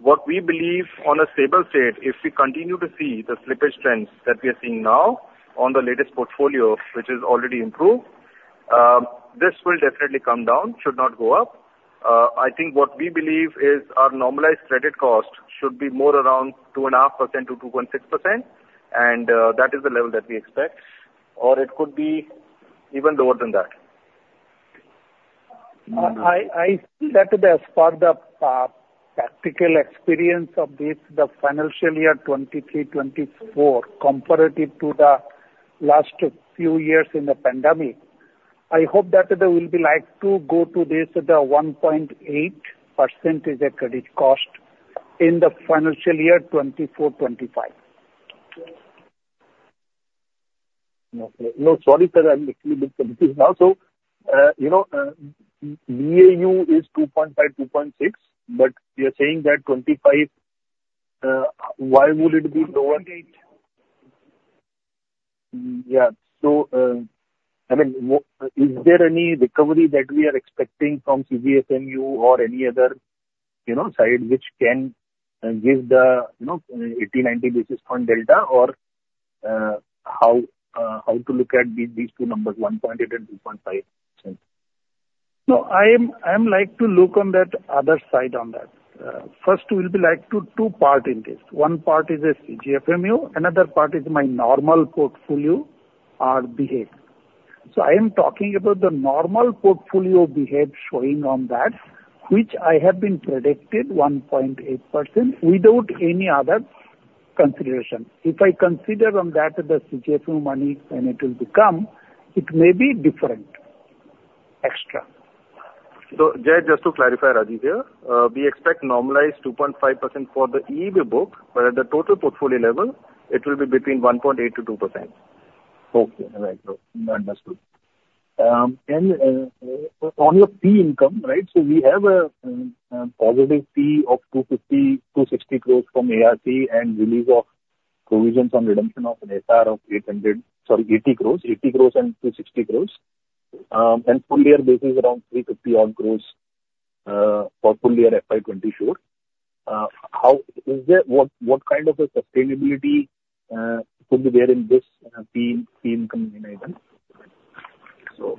What we believe on a stable state, if we continue to see the slippage trends that we are seeing now on the latest portfolio, which is already improved, this will definitely come down, should not go up. I think what we believe is our normalized credit cost should be more around 2.5%-2.6%, and, that is the level that we expect, or it could be even lower than that. I see that as per the practical experience of this, the financial year 2023-2024 comparative to the last few years in the pandemic, I hope that will be like to go to this, the 1.8% credit cost in the financial year 2024-2025. No, no, sorry, sir, I'm little bit confused now. So, you know, BAU is 2.5%, 2.6%, but you're saying that 2025, why would it be lower? 1.8%. Yeah. So, I mean, is there any recovery that we are expecting from CGFMU or any other, you know, side which can give the, you know, 80-90 basis point delta or, how, how to look at these, these two numbers, 1.8% and 2.5%? No, I am, I am like to look on that other side on that. First, we'll be like to two part in this. One part is this CGFMU, another part is my normal portfolio, are behave. So I am talking about the normal portfolio behave showing on that, which I have been predicted 1.8%, without any other consideration. If I consider on that the CGFMU money when it will become, it may be different, extra. So, Jai, just to clarify, Rajeev here, we expect normalized 2.5% for the EEB book, but at the total portfolio level, it will be between 1.8%-2%. Okay. Right, bro. Understood. And, on your fee income, right? So we have a positive fee of 250 crore-260 crore from ARC and release of provisions on redemption of an SR of 800, sorry, 80 crore, 80 crore and 260 crore. And full year basis around 350 odd crore, for full year FY 2024. How, is there, what, what kind of a sustainability, could be there in this, fee, fee income item? So from that, I think INR 60 crore-INR 80 crore of, you know, per quarter- I'm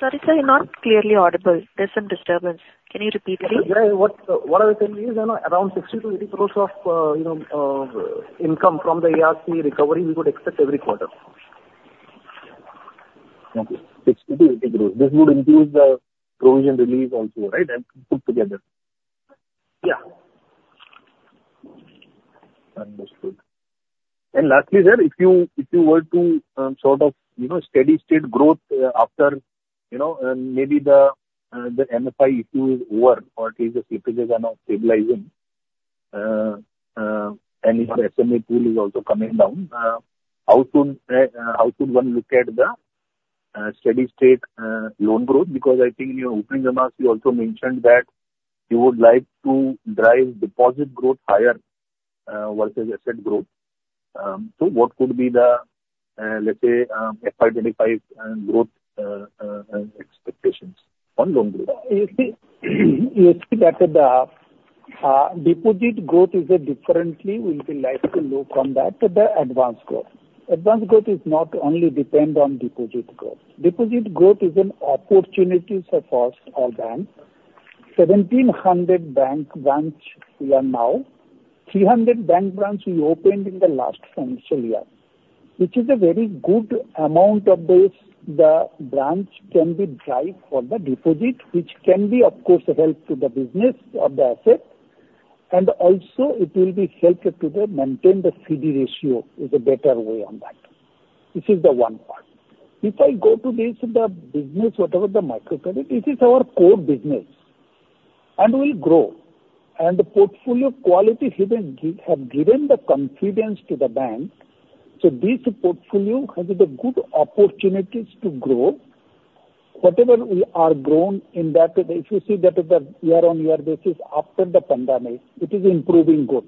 sorry, sir, you're not clearly audible. There's some disturbance. Can you repeat please? Yeah. What, what I was saying is, you know, around 60 crore-80 crore of, you know, income from the ARC recovery, we would expect every quarter. Okay. 60 crore-80 crore. This would include the provision release also, right, and put together? Yeah. Understood. And lastly, sir, if you were to sort of, you know, steady state growth after, you know, maybe the MFI issue is over, or at least the slippages are now stabilizing, and your SMA pool is also coming down, how soon, how should one look at the steady state loan growth? Because I think in your opening remarks, you also mentioned that you would like to drive deposit growth higher versus asset growth. So what could be the, let's say, FY 2025 growth expectations on loan growth? You see, you see that the, deposit growth is differently, will be like to look on that, the advance growth. Advance growth is not only depend on deposit growth. Deposit growth is an opportunities for first our bank. 1,700 bank branch we have now. 300 bank branch we opened in the last financial year, which is a very good amount of this. The branch can be drive for the deposit, which can be, of course, a help to the business of the asset, and also it will be helpful to the maintain the CD ratio is a better way on that. This is the one part. If I go to this, the business, whatever the microcredit, it is our core business, and we grow. And the portfolio quality have been given the confidence to the bank. So this portfolio has a good opportunities to grow. Whatever we are grown in that, if you see that the year-on-year basis after the pandemic, it is improving good.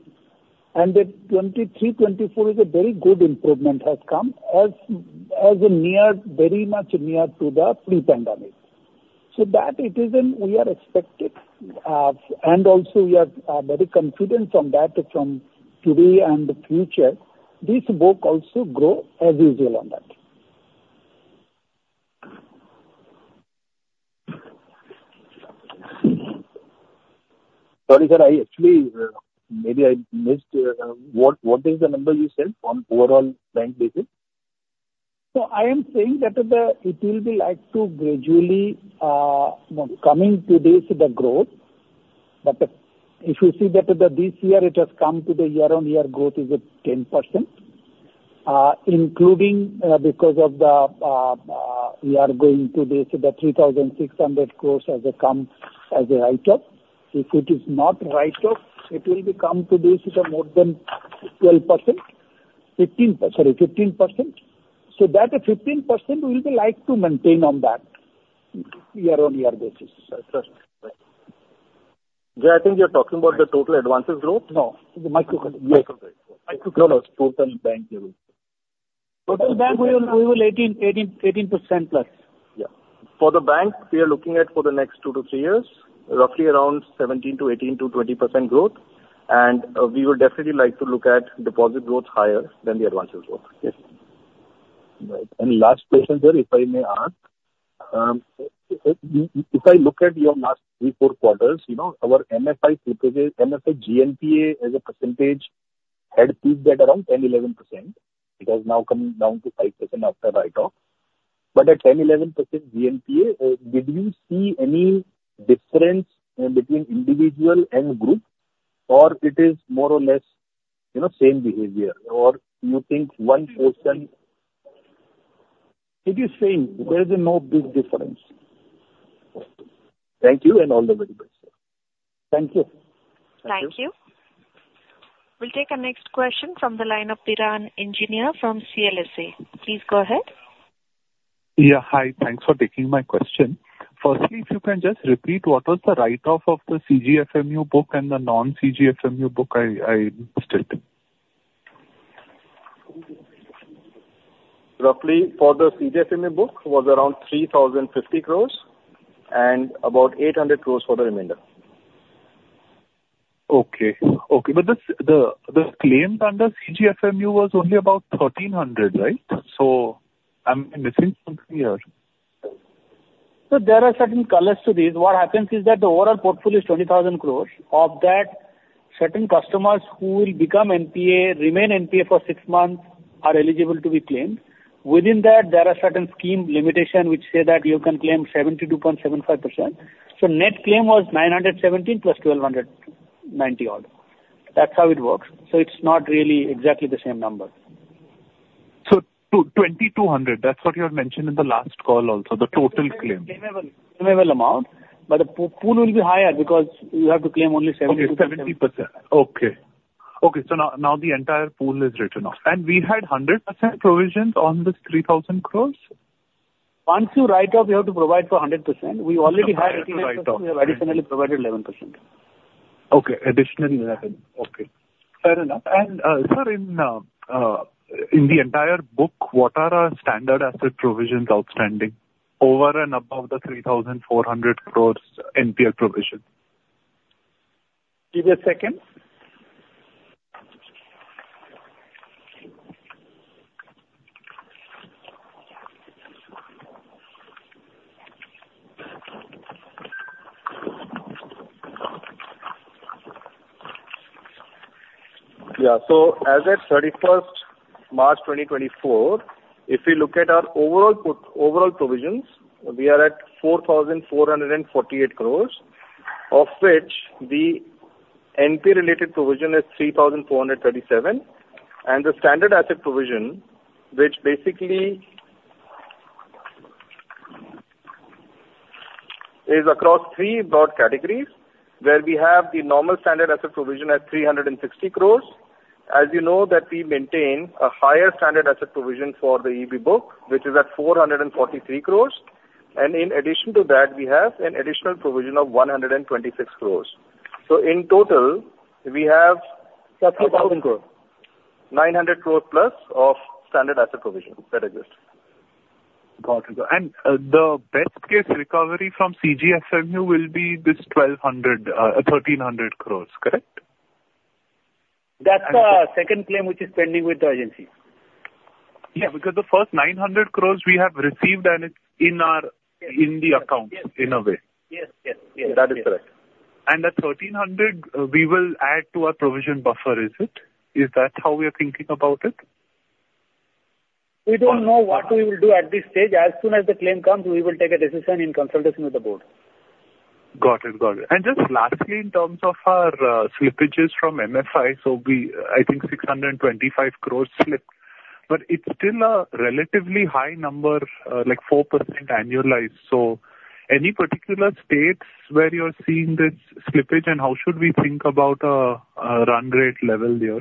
And the 2023, 2024 is a very good improvement has come as, as a near, very much near to the pre-pandemic. So that it is in we are expected, and also we are, very confident from that from today and the future, this book also grow as usual on that. Sorry, sir, I actually, maybe I missed. What, what is the number you said on overall bank basis? So I am saying that the, it will be like to gradually, you know, coming to this, the growth. But if you see that the this year it has come to the year-on-year growth is at 10%, including, because of the, we are going to this, the 3,600 crore as a come, as a write-off. If it is not write-off, it will be come to this to more than 12%. 15%, sorry, 15%. So that 15% will be like to maintain on that year-on-year basis. I trust. Jai, I think you're talking about the total advances growth? No, the microcredit. Microcredit. Microcredit. No, no, total bank level. Total bank, we will, we will 18% plus. Yeah. For the bank, we are looking at for the next 2-3 years, roughly around 17% to 18% to 20% growth, and we would definitely like to look at deposit growth higher than the advances growth. Right. Last question, sir, if I may ask. If I look at your last three to four quarters, you know, our MFI assets, MFI GNPA as a percentage had peaked at around 10%-11%. It has now come down to 5% after write-off. But at 10%-11% GNPA, did you see any difference between individual and group, or it is more or less, you know, same behavior, or you think one portion? It is same. There is no big difference. Thank you, and all the very best. Thank you. Thank you. We'll take our next question from the line of Piran Engineer from CLSA. Please go ahead. Yeah, hi. Thanks for taking my question. Firstly, if you can just repeat, what was the write-off of the CGFMU book and the non-CGFMU book? I missed it. Roughly for the CGFMU book was around 3,050 crore and about 800 crore for the remainder. Okay. Okay, but the claims under CGFMU was only about 1,300, right? So I'm missing something here. So there are certain colors to this. What happens is that the overall portfolio is 20,000 crore. Of that, certain customers who will become NPA, remain NPA for six months, are eligible to be claimed. Within that, there are certain scheme limitations which say that you can claim 72.75%. So net claim was 917 + 1,290 odd. That's how it works. So it's not really exactly the same number. 2,200 crore, that's what you had mentioned in the last call also, the total claim. Claimable, claimable amount, but the pool will be higher because you have to claim only 70%. Okay, 70%. Okay. Okay, so now, now the entire pool is written off. And we had 100% provisions on this 3,000 crore? Once you write off, you have to provide for 100%. We already had- You have to write off. We have additionally provided 11%. Okay, additionally 11%. Okay, fair enough. And, sir, in the entire book, what are our standard asset provisions outstanding over and above the 3,400 crore NPA provision? Give me a second. Yeah. So as at March 31, 2024, if we look at our overall provisions, we are at 4,448 crore, of which the NP-related provision is 3,437 crore, and the standard asset provision, which basically is across three broad categories, where we have the normal standard asset provision at 360 crore. As you know, that we maintain a higher standard asset provision for the EEB book, which is at 443 crore. And in addition to that, we have an additional provision of 126 crore. So in total, we have- INR 30,000 crore. 900 crore plus of standard asset provision that exists. Got it, sir. And, the best case recovery from CGFMU will be this 1,200-1,300 crores, correct? That's our second claim, which is pending with the agency. Yeah, because the first 900 crore we have received, and it's in our account- Yes. in a way. Yes, yes, yes. That is correct. And the 1,300, we will add to our provision buffer, is it? Is that how we are thinking about it? We don't know what we will do at this stage. As soon as the claim comes, we will take a decision in consultation with the board. Got it. Got it. And just lastly, in terms of our, slippages from MFIs, I think 625 crore slip, but it's still a relatively high number, like 4% annualized. So any particular states where you're seeing this slippage, and how should we think about, a run rate level there?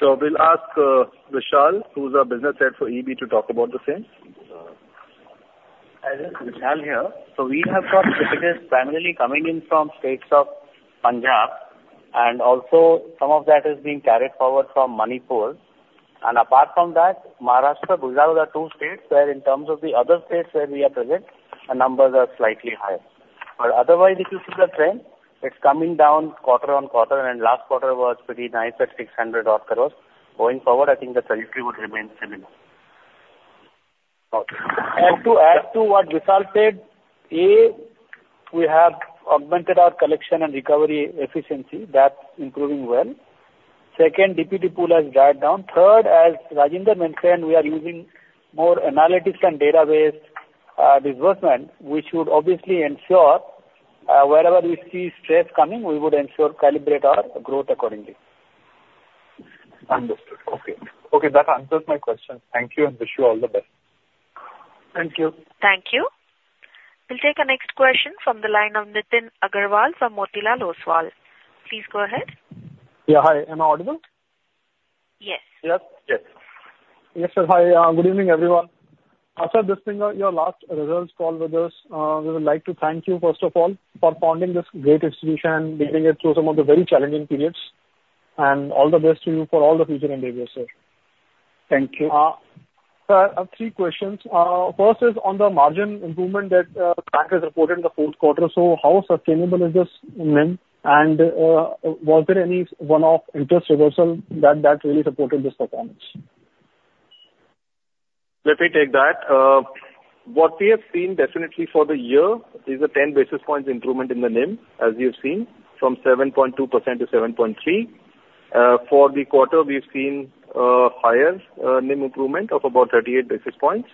We'll ask, Vishal, who's our business head for EEB, to talk about the same. Hi, this is Vishal here. So we have got slippages primarily coming in from states of Punjab, and also some of that is being carried forward from Manipur. And apart from that, Maharashtra, Gujarat are two states where in terms of the other states where we are present, our numbers are slightly higher. But otherwise, if you see the trend, it's coming down quarter-over-quarter, and last quarter was pretty nice at 600-odd crore. Going forward, I think the trajectory would remain similar. Okay. To add to what Vishal said, A, we have augmented our collection and recovery efficiency. That's improving well. Second, DPD pool has gone down. Third, as Rajinder mentioned, we are using more analytics and database disbursement, which would obviously ensure, wherever we see stress coming, we would ensure calibrate our growth accordingly. Understood. Okay. Okay, that answers my question. Thank you, and wish you all the best. Thank you. Thank you. We'll take our next question from the line of Nitin Aggarwal from Motilal Oswal. Please go ahead. Yeah, hi. Am I audible? Yes. Yes? Yes, sir. Hi, good evening, everyone. After listening, your last results call with us, we would like to thank you, first of all, for founding this great institution, leading it through some of the very challenging periods, and all the best to you for all the future endeavors, sir. Thank you. Sir, I have three questions. First is on the margin improvement that the bank has reported in the fourth quarter. So how sustainable is this NIM? And was there any one-off interest reversal that really supported this performance? Let me take that. What we have seen definitely for the year is a 10 basis points improvement in the NIM, as you've seen, from 7.2% to 7.3%. For the quarter, we've seen higher NIM improvement of about 38 basis points.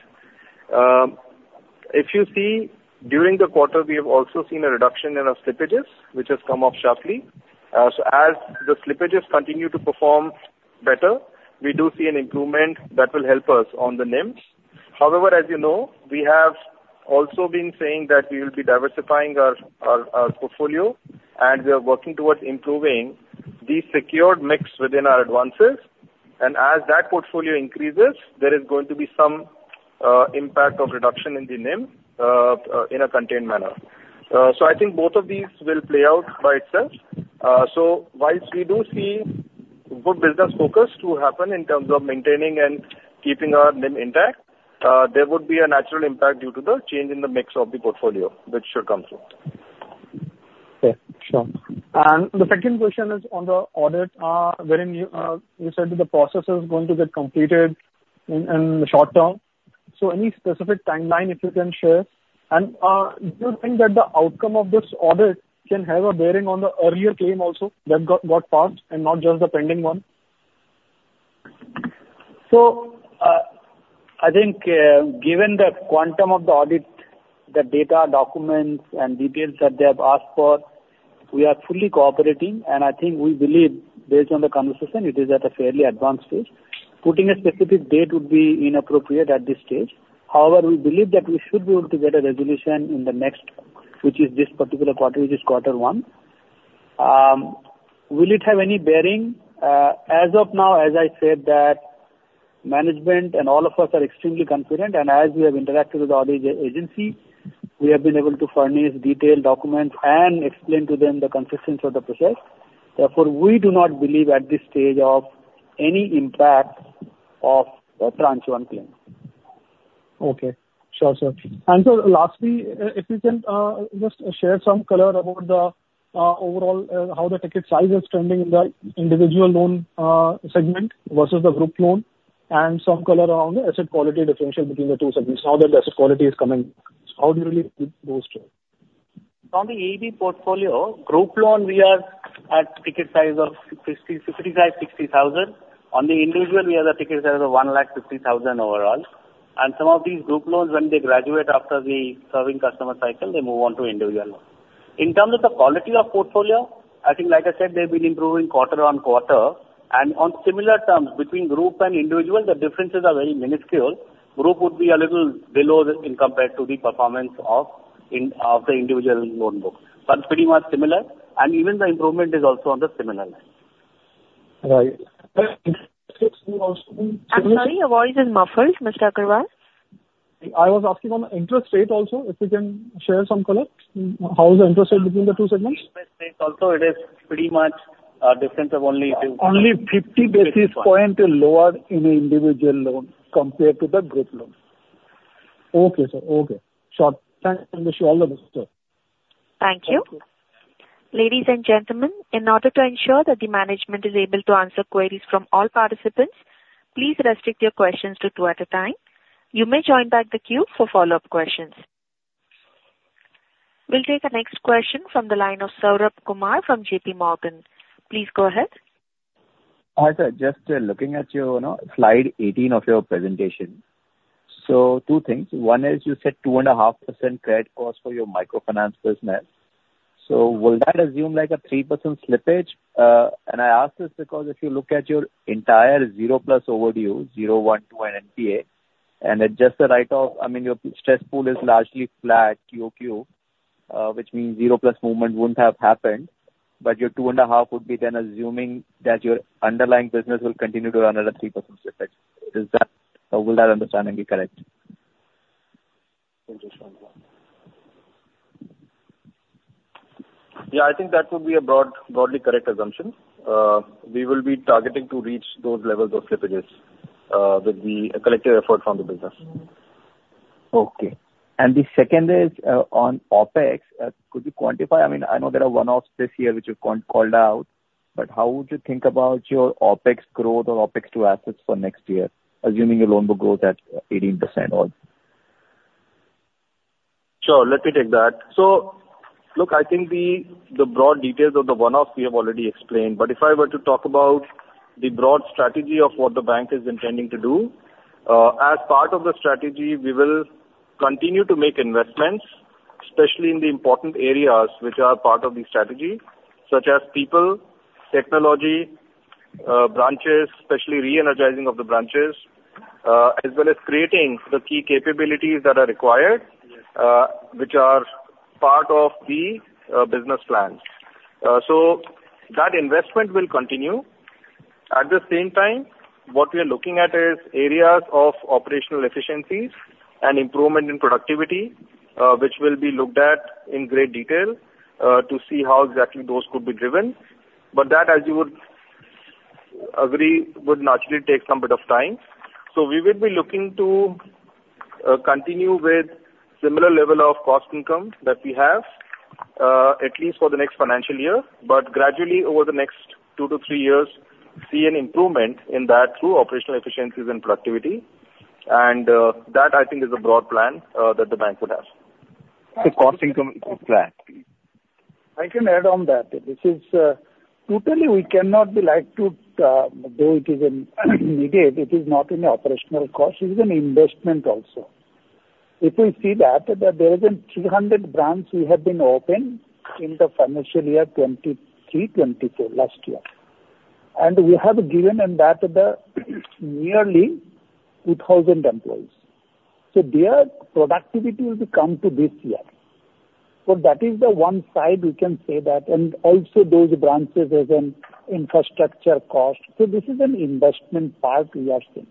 If you see, during the quarter, we have also seen a reduction in our slippages, which has come off sharply. So as the slippages continue to perform better, we do see an improvement that will help us on the NIMs. However, as you know, we have also been saying that we will be diversifying our portfolio, and we are working towards improving the secured mix within our advances. And as that portfolio increases, there is going to be some impact of reduction in the NIM, in a contained manner. So I think both of these will play out by itself. So whilst we do see good business focus to happen in terms of maintaining and keeping our NIM intact, there would be a natural impact due to the change in the mix of the portfolio, which should come through. Okay, sure. And the second question is on the audit, wherein you said that the process is going to get completed in the short term. So any specific timeline, if you can share? And, do you think that the outcome of this audit can have a bearing on the earlier claim also that got passed and not just the pending one? So, I think, given the quantum of the audit, the data, documents, and details that they have asked for, we are fully cooperating, and I think we believe, based on the conversation, it is at a fairly advanced stage. Putting a specific date would be inappropriate at this stage. However, we believe that we should be able to get a resolution in the next, which is this particular quarter, which is quarter one. Will it have any bearing? As of now, as I said, that management and all of us are extremely confident, and as we have interacted with the audit agency, we have been able to furnish detailed documents and explain to them the consistency of the process. Therefore, we do not believe at this stage of any impact of the tranche one claim. Okay. Sure, sir. And so lastly, if you can just share some color about the overall how the ticket size is trending in the individual loan segment versus the group loan, and some color around the asset quality differential between the two segments. Now that the asset quality is coming, how do you believe it goes to? From the EEB portfolio group loan, we are at ticket size of 50,000, 55,000, 60,000. On the individual, we have a ticket size of 150,000 overall. Some of these group loans, when they graduate after the serving customer cycle, they move on to individual loan. In terms of the quality of portfolio, I think, like I said, they've been improving quarter-on-quarter. On similar terms, between group and individual, the differences are very minuscule. Group would be a little below this in compared to the performance of the individual loan book, but pretty much similar, and even the improvement is also on the similar line. Right. I'm sorry, your voice is muffled, Mr. Aggarwal. I was asking on interest rate also, if you can share some color. How is the interest rate between the two segments? Also, it is pretty much a difference of only 50 basis point lower in the individual loan compared to the group loan. Okay, sir. Okay. Sure. Thank you so much, sir. Thank you. Ladies and gentlemen, in order to ensure that the management is able to answer queries from all participants, please restrict your questions to two at a time. You may join back the queue for follow-up questions. We'll take the next question from the line of Saurabh Kumar from J.P. Morgan. Please go ahead. Hi, sir. Just, looking at your, you know, slide 18 of your presentation. So two things. One is you said 2.5% credit cost for your microfinance business. So will that assume like a 3% slippage? And I ask this because if you look at your entire 0+ overdue, 0, 1, 2, and NPA, and adjust the write-off, I mean, your stress pool is largely flat QOQ, which means 0+ movement wouldn't have happened, but your 2.5% would be then assuming that your underlying business will continue to run at a 3% slippage. Is that, or would that understanding be correct? Yeah, I think that would be a broad, broadly correct assumption. We will be targeting to reach those levels of slippages with the collective effort from the business. Okay. And the second is, on OpEx. Could you quantify, I mean, I know there are one-offs this year, which you called out, but how would you think about your OpEx growth or OpEx to assets for next year, assuming your loan book growth at 18% odd? Sure, let me take that. So, look, I think the broad details of the one-off, we have already explained, but if I were to talk about the broad strategy of what the bank is intending to do, as part of the strategy, we will continue to make investments, especially in the important areas which are part of the strategy, such as people, technology, branches, especially re-energizing of the branches, as well as creating the key capabilities that are required, which are part of the business plan. So that investment will continue. At the same time, what we are looking at is areas of operational efficiencies and improvement in productivity, which will be looked at in great detail, to see how exactly those could be driven. But that, as you would agree, would naturally take some bit of time. So we will be looking to continue with similar level of cost income that we have, at least for the next financial year, but gradually over the next two to three years, see an improvement in that through operational efficiencies and productivity. That, I think, is a broad plan that the bank would have. The cost income plan? I can add on that. This is, totally we cannot be like to, though it is an immediate, it is not an operational cost, it is an investment also. If we see that, that there is 300 branches we have been opened in the financial year 2023-2024, last year. And we have given in that nearly 2000 employees. So their productivity will come to this year. So that is the one side we can say that, and also those branches as an infrastructure cost. So this is an investment part we are seeing.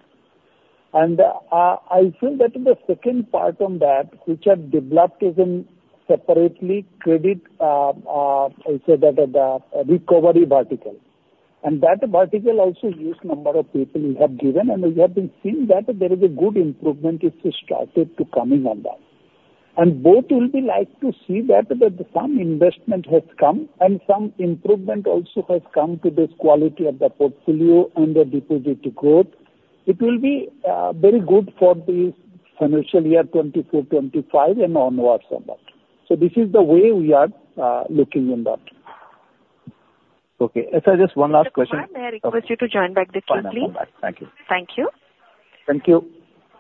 And, I think that in the second part on that, which are developed even separately, credit, I say that the recovery vertical. That vertical also huge number of people we have given, and we have been seeing that there is a good improvement which has started to coming on that. Both will be like to see that, that some investment has come and some improvement also has come to this quality of the portfolio and the deposit growth. It will be very good for the financial year 2024, 2025 and onwards from that. So this is the way we are looking in that. Okay. Sir, just one last question. May I request you to join back the queue, please? Fine, I'm back. Thank you. Thank you. Thank you.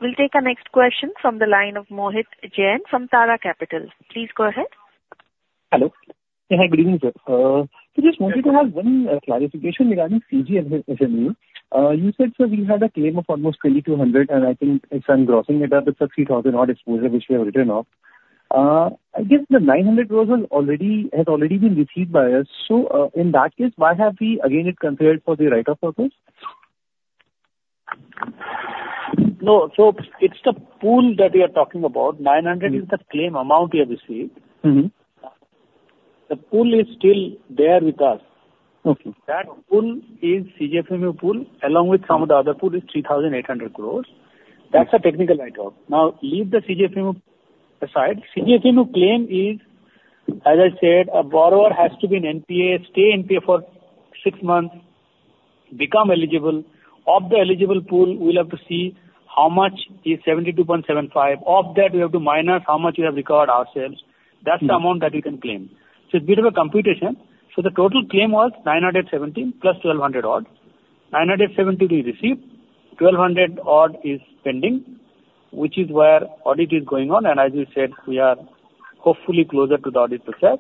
We'll take our next question from the line of Mohit Jain from Tara Capital. Please go ahead. Hello. Yeah, good evening, sir. So just wanted to have one clarification regarding CGFMU. You said, sir, we had a claim of almost nearly 200 crore, and I think it's and grossing it up to 3,000-odd exposure, which we have written off. I guess the 900 crore already has been received by us. So, in that case, why have we again considered for the write-off purpose? No, so it's the pool that we are talking about. 900 is the claim amount we have received. Mm-hmm. The pool is still there with us. Okay. That pool is CGFMU pool, along with some of the other pool, is 3,800 crore. That's a technical write-off. Now, leave the CGFMU aside. CGFMU claim is, as I said, a borrower has to be an NPA, stay NPA for six months, become eligible. Of the eligible pool, we'll have to see how much is 72.75%. Of that, we have to minus how much we have recovered ourselves. Mm. That's the amount that we can claim. So it's a bit of a computation. So the total claim was 917 plus 1,200-odd. 917 we received, 1,200-odd is pending, which is where audit is going on, and as we said, we are hopefully closer to the audit process.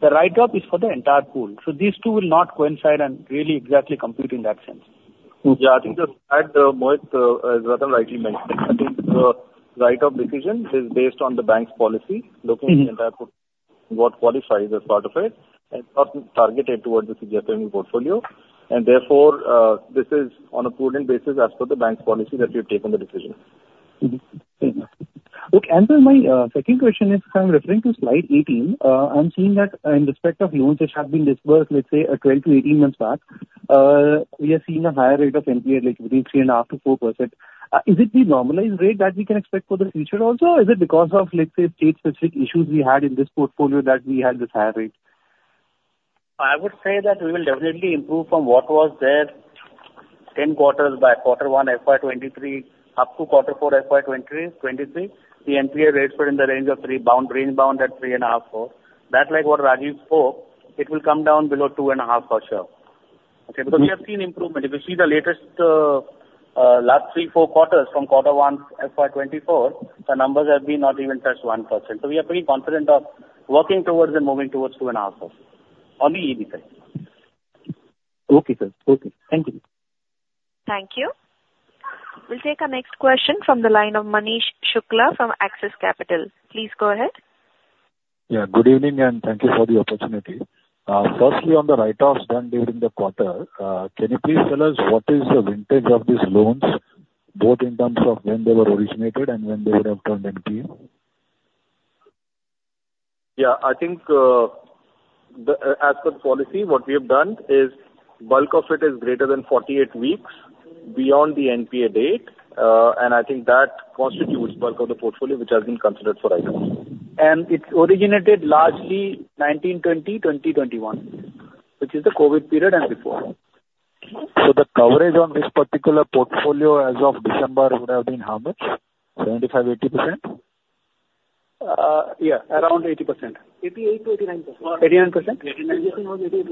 The write-off is for the entire pool, so these two will not coincide and really exactly compute in that sense. Yeah, I think that, Mohit, rather rightly mentioned, I think the write-off decision is based on the bank's policy. Mm. Looking at what qualifies as part of it, and not targeted towards the CGFMU portfolio, and therefore, this is on a prudent basis as per the bank's policy that we've taken the decision. Mm-hmm. Thank you. Look, and then my second question is, I'm referring to slide 18. I'm seeing that in respect of loans which have been disbursed, let's say, 12-18 months back, we are seeing a higher rate of NPA, like between 3.5%-4%. Is it the normalized rate that we can expect for the future also, or is it because of, let's say, state-specific issues we had in this portfolio that we had this higher rate? I would say that we will definitely improve from what was there 10 quarters back, quarter one, FY 2023, up to quarter four, FY 2023, 2023. The NPA rates were in the range of 3%, range bound at 3.5%-4%. That, like what Rajeev spoke, it will come down below 2.5% for sure. Okay. So we have seen improvement. If you see the latest, last three, four quarters from quarter one, FY 2024, the numbers have been not even touched 1%. So we are pretty confident of working towards and moving towards 2.5% on the EB front. Okay, sir. Okay. Thank you. Thank you. We'll take our next question from the line of Manish Shukla from Axis Capital. Please go ahead. Yeah, good evening, and thank you for the opportunity. Firstly, on the write-offs done during the quarter, can you please tell us what is the vintage of these loans, both in terms of when they were originated and when they would have turned NPA? Yeah. I think, as per the policy, what we have done is bulk of it is greater than 48 weeks beyond the NPA date, and I think that constitutes bulk of the portfolio, which has been considered for write-off. It originated largely 2019-2020, 2020-2021, which is the COVID period and before. So the coverage on this particular portfolio as of December would have been how much? 75%-80%? Yeah, around 80%. 88%-89%. 89%? 89%.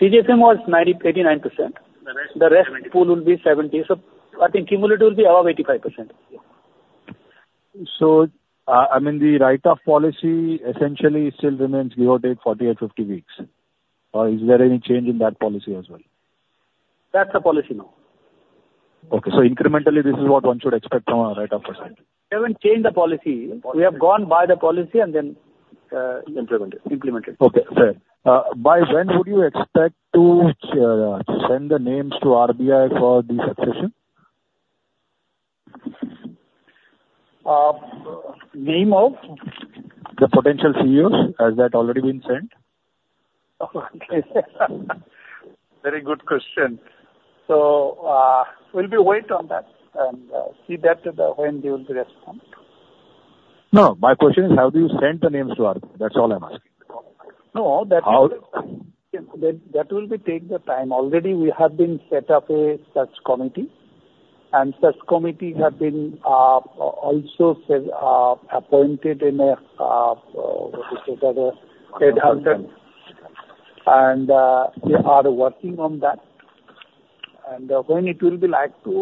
CGFMU was 80%-89%. The rest- The rest pool will be 70%. So I think cumulative will be above 85%. So, I mean, the write-off policy essentially still remains, give or take 40 or 50 weeks. Or is there any change in that policy as well? That's the policy now. Okay. So incrementally, this is what one should expect from a write-off perspective. We haven't changed the policy. We have gone by the policy and then, implemented. Okay, fair. By when would you expect to send the names to RBI for the succession? Name of? The potential CEOs. Has that already been sent? Very good question. So, we'll be waiting on that and see when they will respond. No, my question is: How do you send the names to RBI? That's all I'm asking. No, that- How- That, that will be take the time. Already we have been set up a search committee, and search committee have been also appointed in a what you call that, a headhunter. And we are working on that. And when it will be like to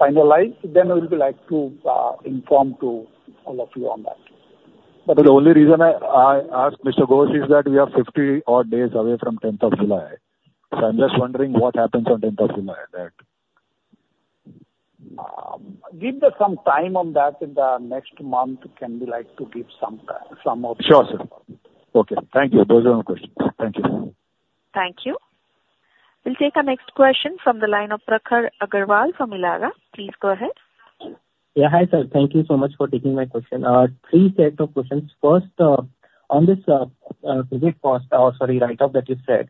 finalize, then we will be like to inform to all of you on that. But the only reason I asked, Mr. Ghosh, is that we are 50 odd days away from 10th of July. So I'm just wondering what happens on 10th of July that. Give us some time on that. In the next month, can be like to give some time, some of- Sure, sir. Okay, thank you. Those are the questions. Thank you. Thank you. We'll take our next question from the line of Prakhar Agarwal from Elara. Please go ahead. Yeah, hi, sir. Thank you so much for taking my question. Three sets of questions. First, on this write-off that you said,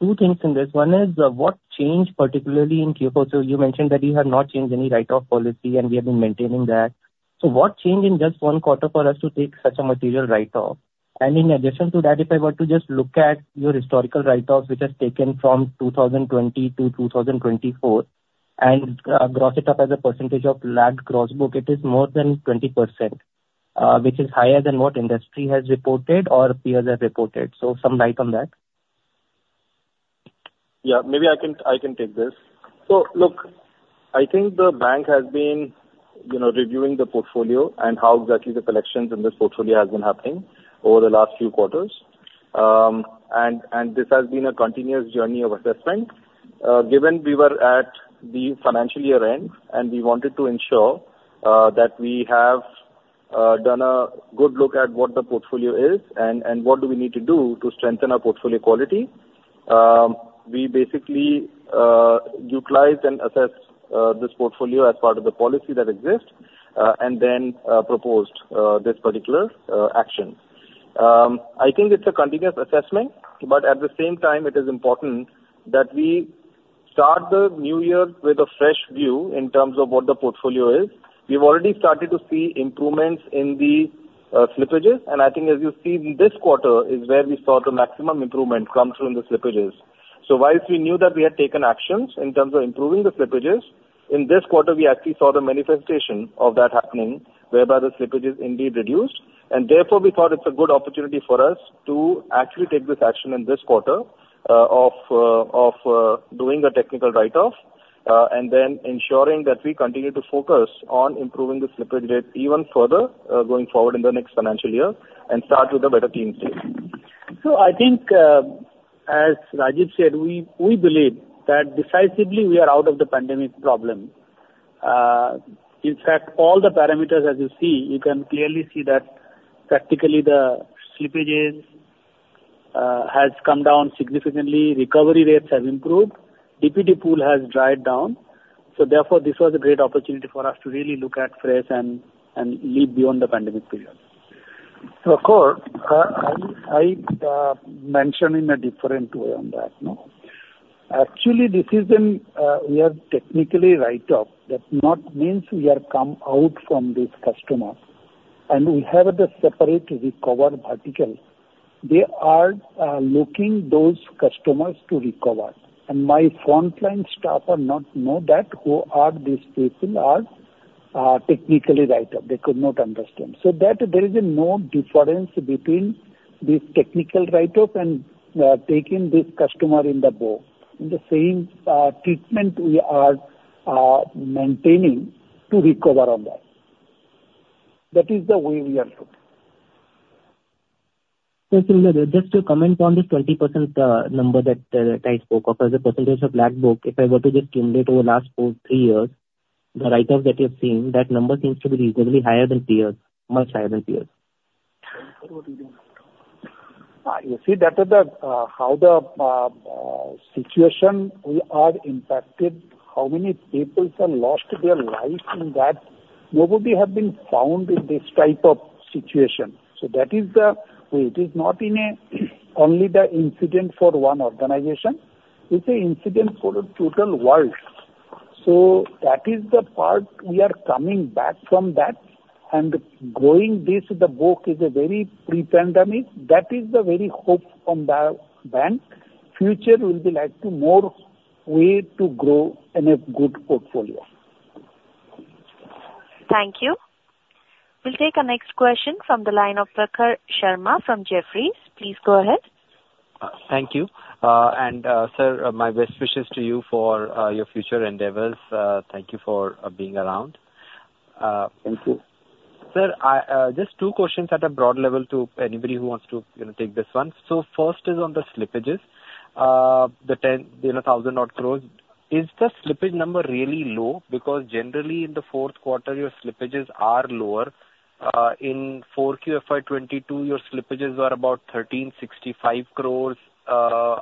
two things in this. One is, what changed particularly in Q4? So you mentioned that you have not changed any write-off policy, and we have been maintaining that. So what changed in just one quarter for us to take such a material write-off? And in addition to that, if I were to just look at your historical write-offs, which has taken from 2020 to 2024, and gross it up as a percentage of lagged gross book, it is more than 20%, which is higher than what industry has reported or peers have reported. So some light on that? Yeah, maybe I can, I can take this. So look, I think the bank has been, you know, reviewing the portfolio and how exactly the collections in this portfolio has been happening over the last few quarters. And this has been a continuous journey of assessment. Given we were at the financial year-end, and we wanted to ensure that we have done a good look at what the portfolio is and what do we need to do to strengthen our portfolio quality, we basically utilized and assessed this portfolio as part of the policy that exists, and then proposed this particular action. I think it's a continuous assessment, but at the same time it is important that we start the new year with a fresh view in terms of what the portfolio is. We've already started to see improvements in the slippages, and I think as you see, this quarter is where we saw the maximum improvement come through in the slippages. So whilst we knew that we had taken actions in terms of improving the slippages, in this quarter, we actually saw the manifestation of that happening, whereby the slippage is indeed reduced, and therefore we thought it's a good opportunity for us to actually take this action in this quarter, of doing a technical write-off, and then ensuring that we continue to focus on improving the slippage rate even further, going forward in the next financial year, and start with a better clean slate. So I think, as Rajeev said, we, we believe that decisively we are out of the pandemic problem. In fact, all the parameters as you see, you can clearly see that practically the slippages has come down significantly, recovery rates have improved. DPD pool has dried down, so therefore, this was a great opportunity for us to really look at fresh and, and live beyond the pandemic period. So of course, I, mention in a different way on that, no? Actually, this is an, we are technical write-off. That not means we are come out from this customer, and we have the separate recovery vertical. They are, looking those customers to recover, and my frontline staff are not know that, who are these people are, technical write-off. They could not understand. So that there is no difference between this technical write-off and taking this customer in the book. In the same treatment we are maintaining to recover on that. That is the way we are looking. So, similarly, just to comment on this 20% number that I spoke of, as a percentage of loan book, if I were to just run it over the last three years, the write-off that you've seen, that number seems to be reasonably higher than peers. Much higher than peers. You see that is the situation we are impacted, how many people have lost their lives in that. Nobody have been found in this type of situation. So that is the. It is not in a only the incident for one organization, it's a incident for the total world. So that is the part we are coming back from that, and growing this, the book is a very pre-pandemic. That is the very hope from the bank. Future will be like to more way to grow in a good portfolio. Thank you. We'll take our next question from the line of Prakhar Sharma from Jefferies. Please go ahead. Thank you. Sir, my best wishes to you for your future endeavors. Thank you for being around. Thank you. Sir, I just two questions at a broad level to anybody who wants to, you know, take this one. So first is on the slippages. The 10,000-odd crore. Is the slippage number really low? Because generally in the fourth quarter, your slippages are lower. In 4Q FY 2022, your slippages were about 1,365 crore,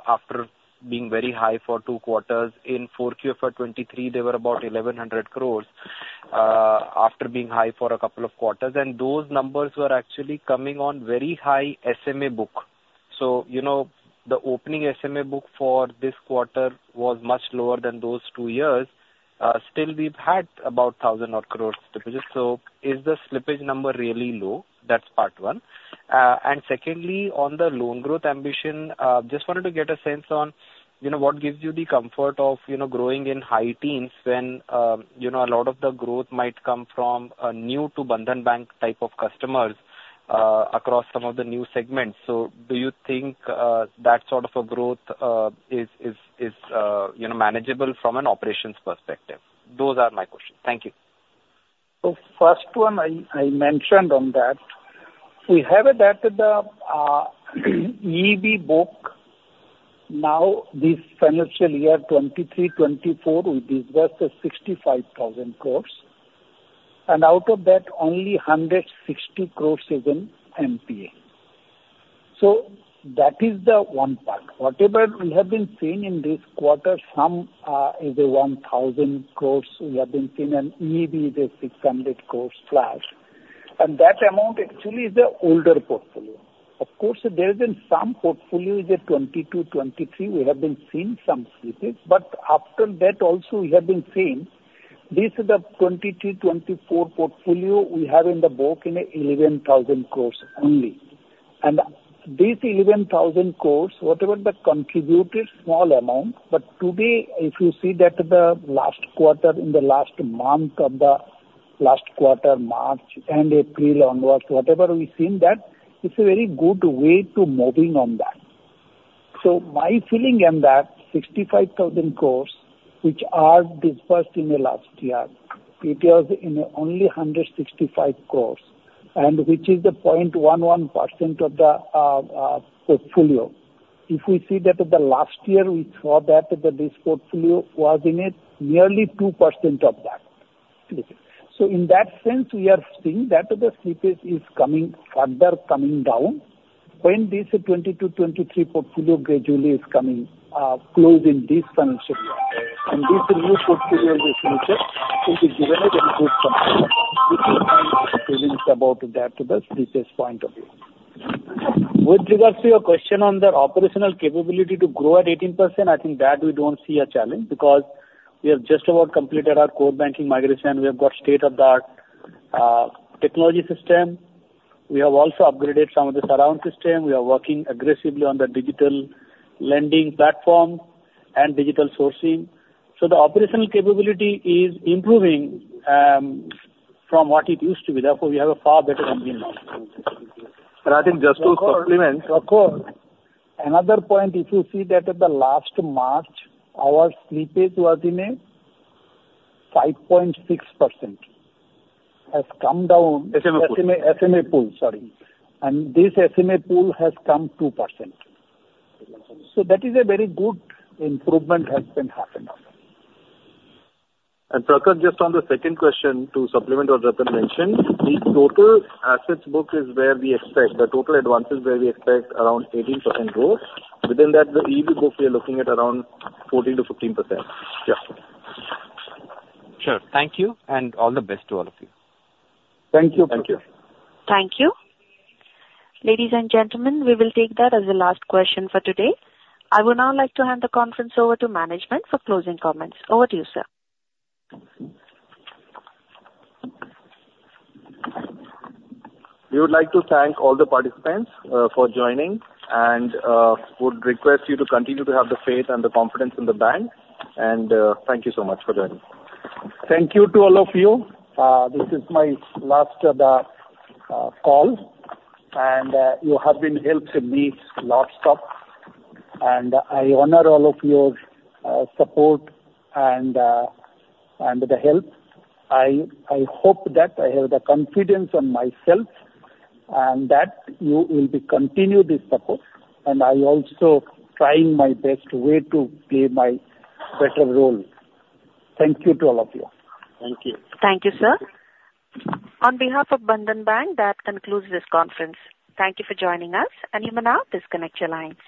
after being very high for two quarters. In 4Q FY 2023, they were about 1,100 crore, after being high for a couple of quarters, and those numbers were actually coming on very high SMA book. So, you know, the opening SMA book for this quarter was much lower than those two years. Still, we've had about 1,000-odd crore slippages. So is the slippage number really low? That's part one. And secondly, on the loan growth ambition, just wanted to get a sense on, you know, what gives you the comfort of, you know, growing in high teens when, you know, a lot of the growth might come from a new-to-Bandhan Bank type of customers, across some of the new segments. So do you think, that sort of a growth, is, you know, manageable from an operations perspective? Those are my questions. Thank you. So first one, I mentioned on that. We have it that the EEB book, now this financial year, 2023-2024, we disbursed 65,000 crore, and out of that, only 160 crore is in NPA. So that is the one part. Whatever we have been seeing in this quarter, some is 1,000 crore we have been seeing, and maybe the 600 crore plus, and that amount actually is the older portfolio. Of course, there has been some portfolio is a 2022-2023, we have been seeing some slippage, but after that also, we have been seeing this is the 2022-2024 portfolio we have in the book in 11,000 crore only. And this 11,000 crore, whatever that contributed small amount, but today, if you see that the last quarter, in the last month of the last quarter, March and April onwards, whatever we've seen that, it's a very good way to moving on that. So my feeling in that 65,000 crore, which are disbursed in the last year, it was in only 165 crore, and which is the 0.11% of the portfolio. If we see that the last year we saw that, that this portfolio was in it, nearly 2% of that. So in that sense, we are seeing that the slippage is coming, further coming down when this 2020-2023 portfolio gradually is coming closed in this financial year. And this new portfolio this financial, it is given a good performance about that, the slippage point of view. With regards to your question on the operational capability to grow at 18%, I think that we don't see a challenge because we have just about completed our core banking migration. We have got state-of-the-art technology system. We have also upgraded some of the surrounding system. We are working aggressively on the digital lending platform and digital sourcing. So the operational capability is improving from what it used to be. Therefore, we have a far better company now. I think just to supplement- Prakhar, another point, if you see that at the last March, our slippage was 5.6%, has come down- SMA pool. SMA pool, sorry. This SMA pool has come 2%. That is a very good improvement has been happened. Prakhar, just on the second question to supplement what Ratan mentioned, the total assets book is where we expect, the total advances where we expect around 18% growth. Within that, the EEB book, we are looking at around 14%-15%. Yeah. Sure. Thank you, and all the best to all of you. Thank you. Thank you. Thank you. Ladies and gentlemen, we will take that as the last question for today. I would now like to hand the conference over to management for closing comments. Over to you, sir. We would like to thank all the participants for joining and would request you to continue to have the faith and the confidence in the bank. Thank you so much for joining. Thank you to all of you. This is my last call, and you have been helped me lots of... I honor all of your support and the help. I hope that I have the confidence on myself and that you will be continue this support. I also trying my best way to play my better role. Thank you to all of you. Thank you. Thank you, sir. On behalf of Bandhan Bank, that concludes this conference. Thank you for joining us, and you may now disconnect your lines.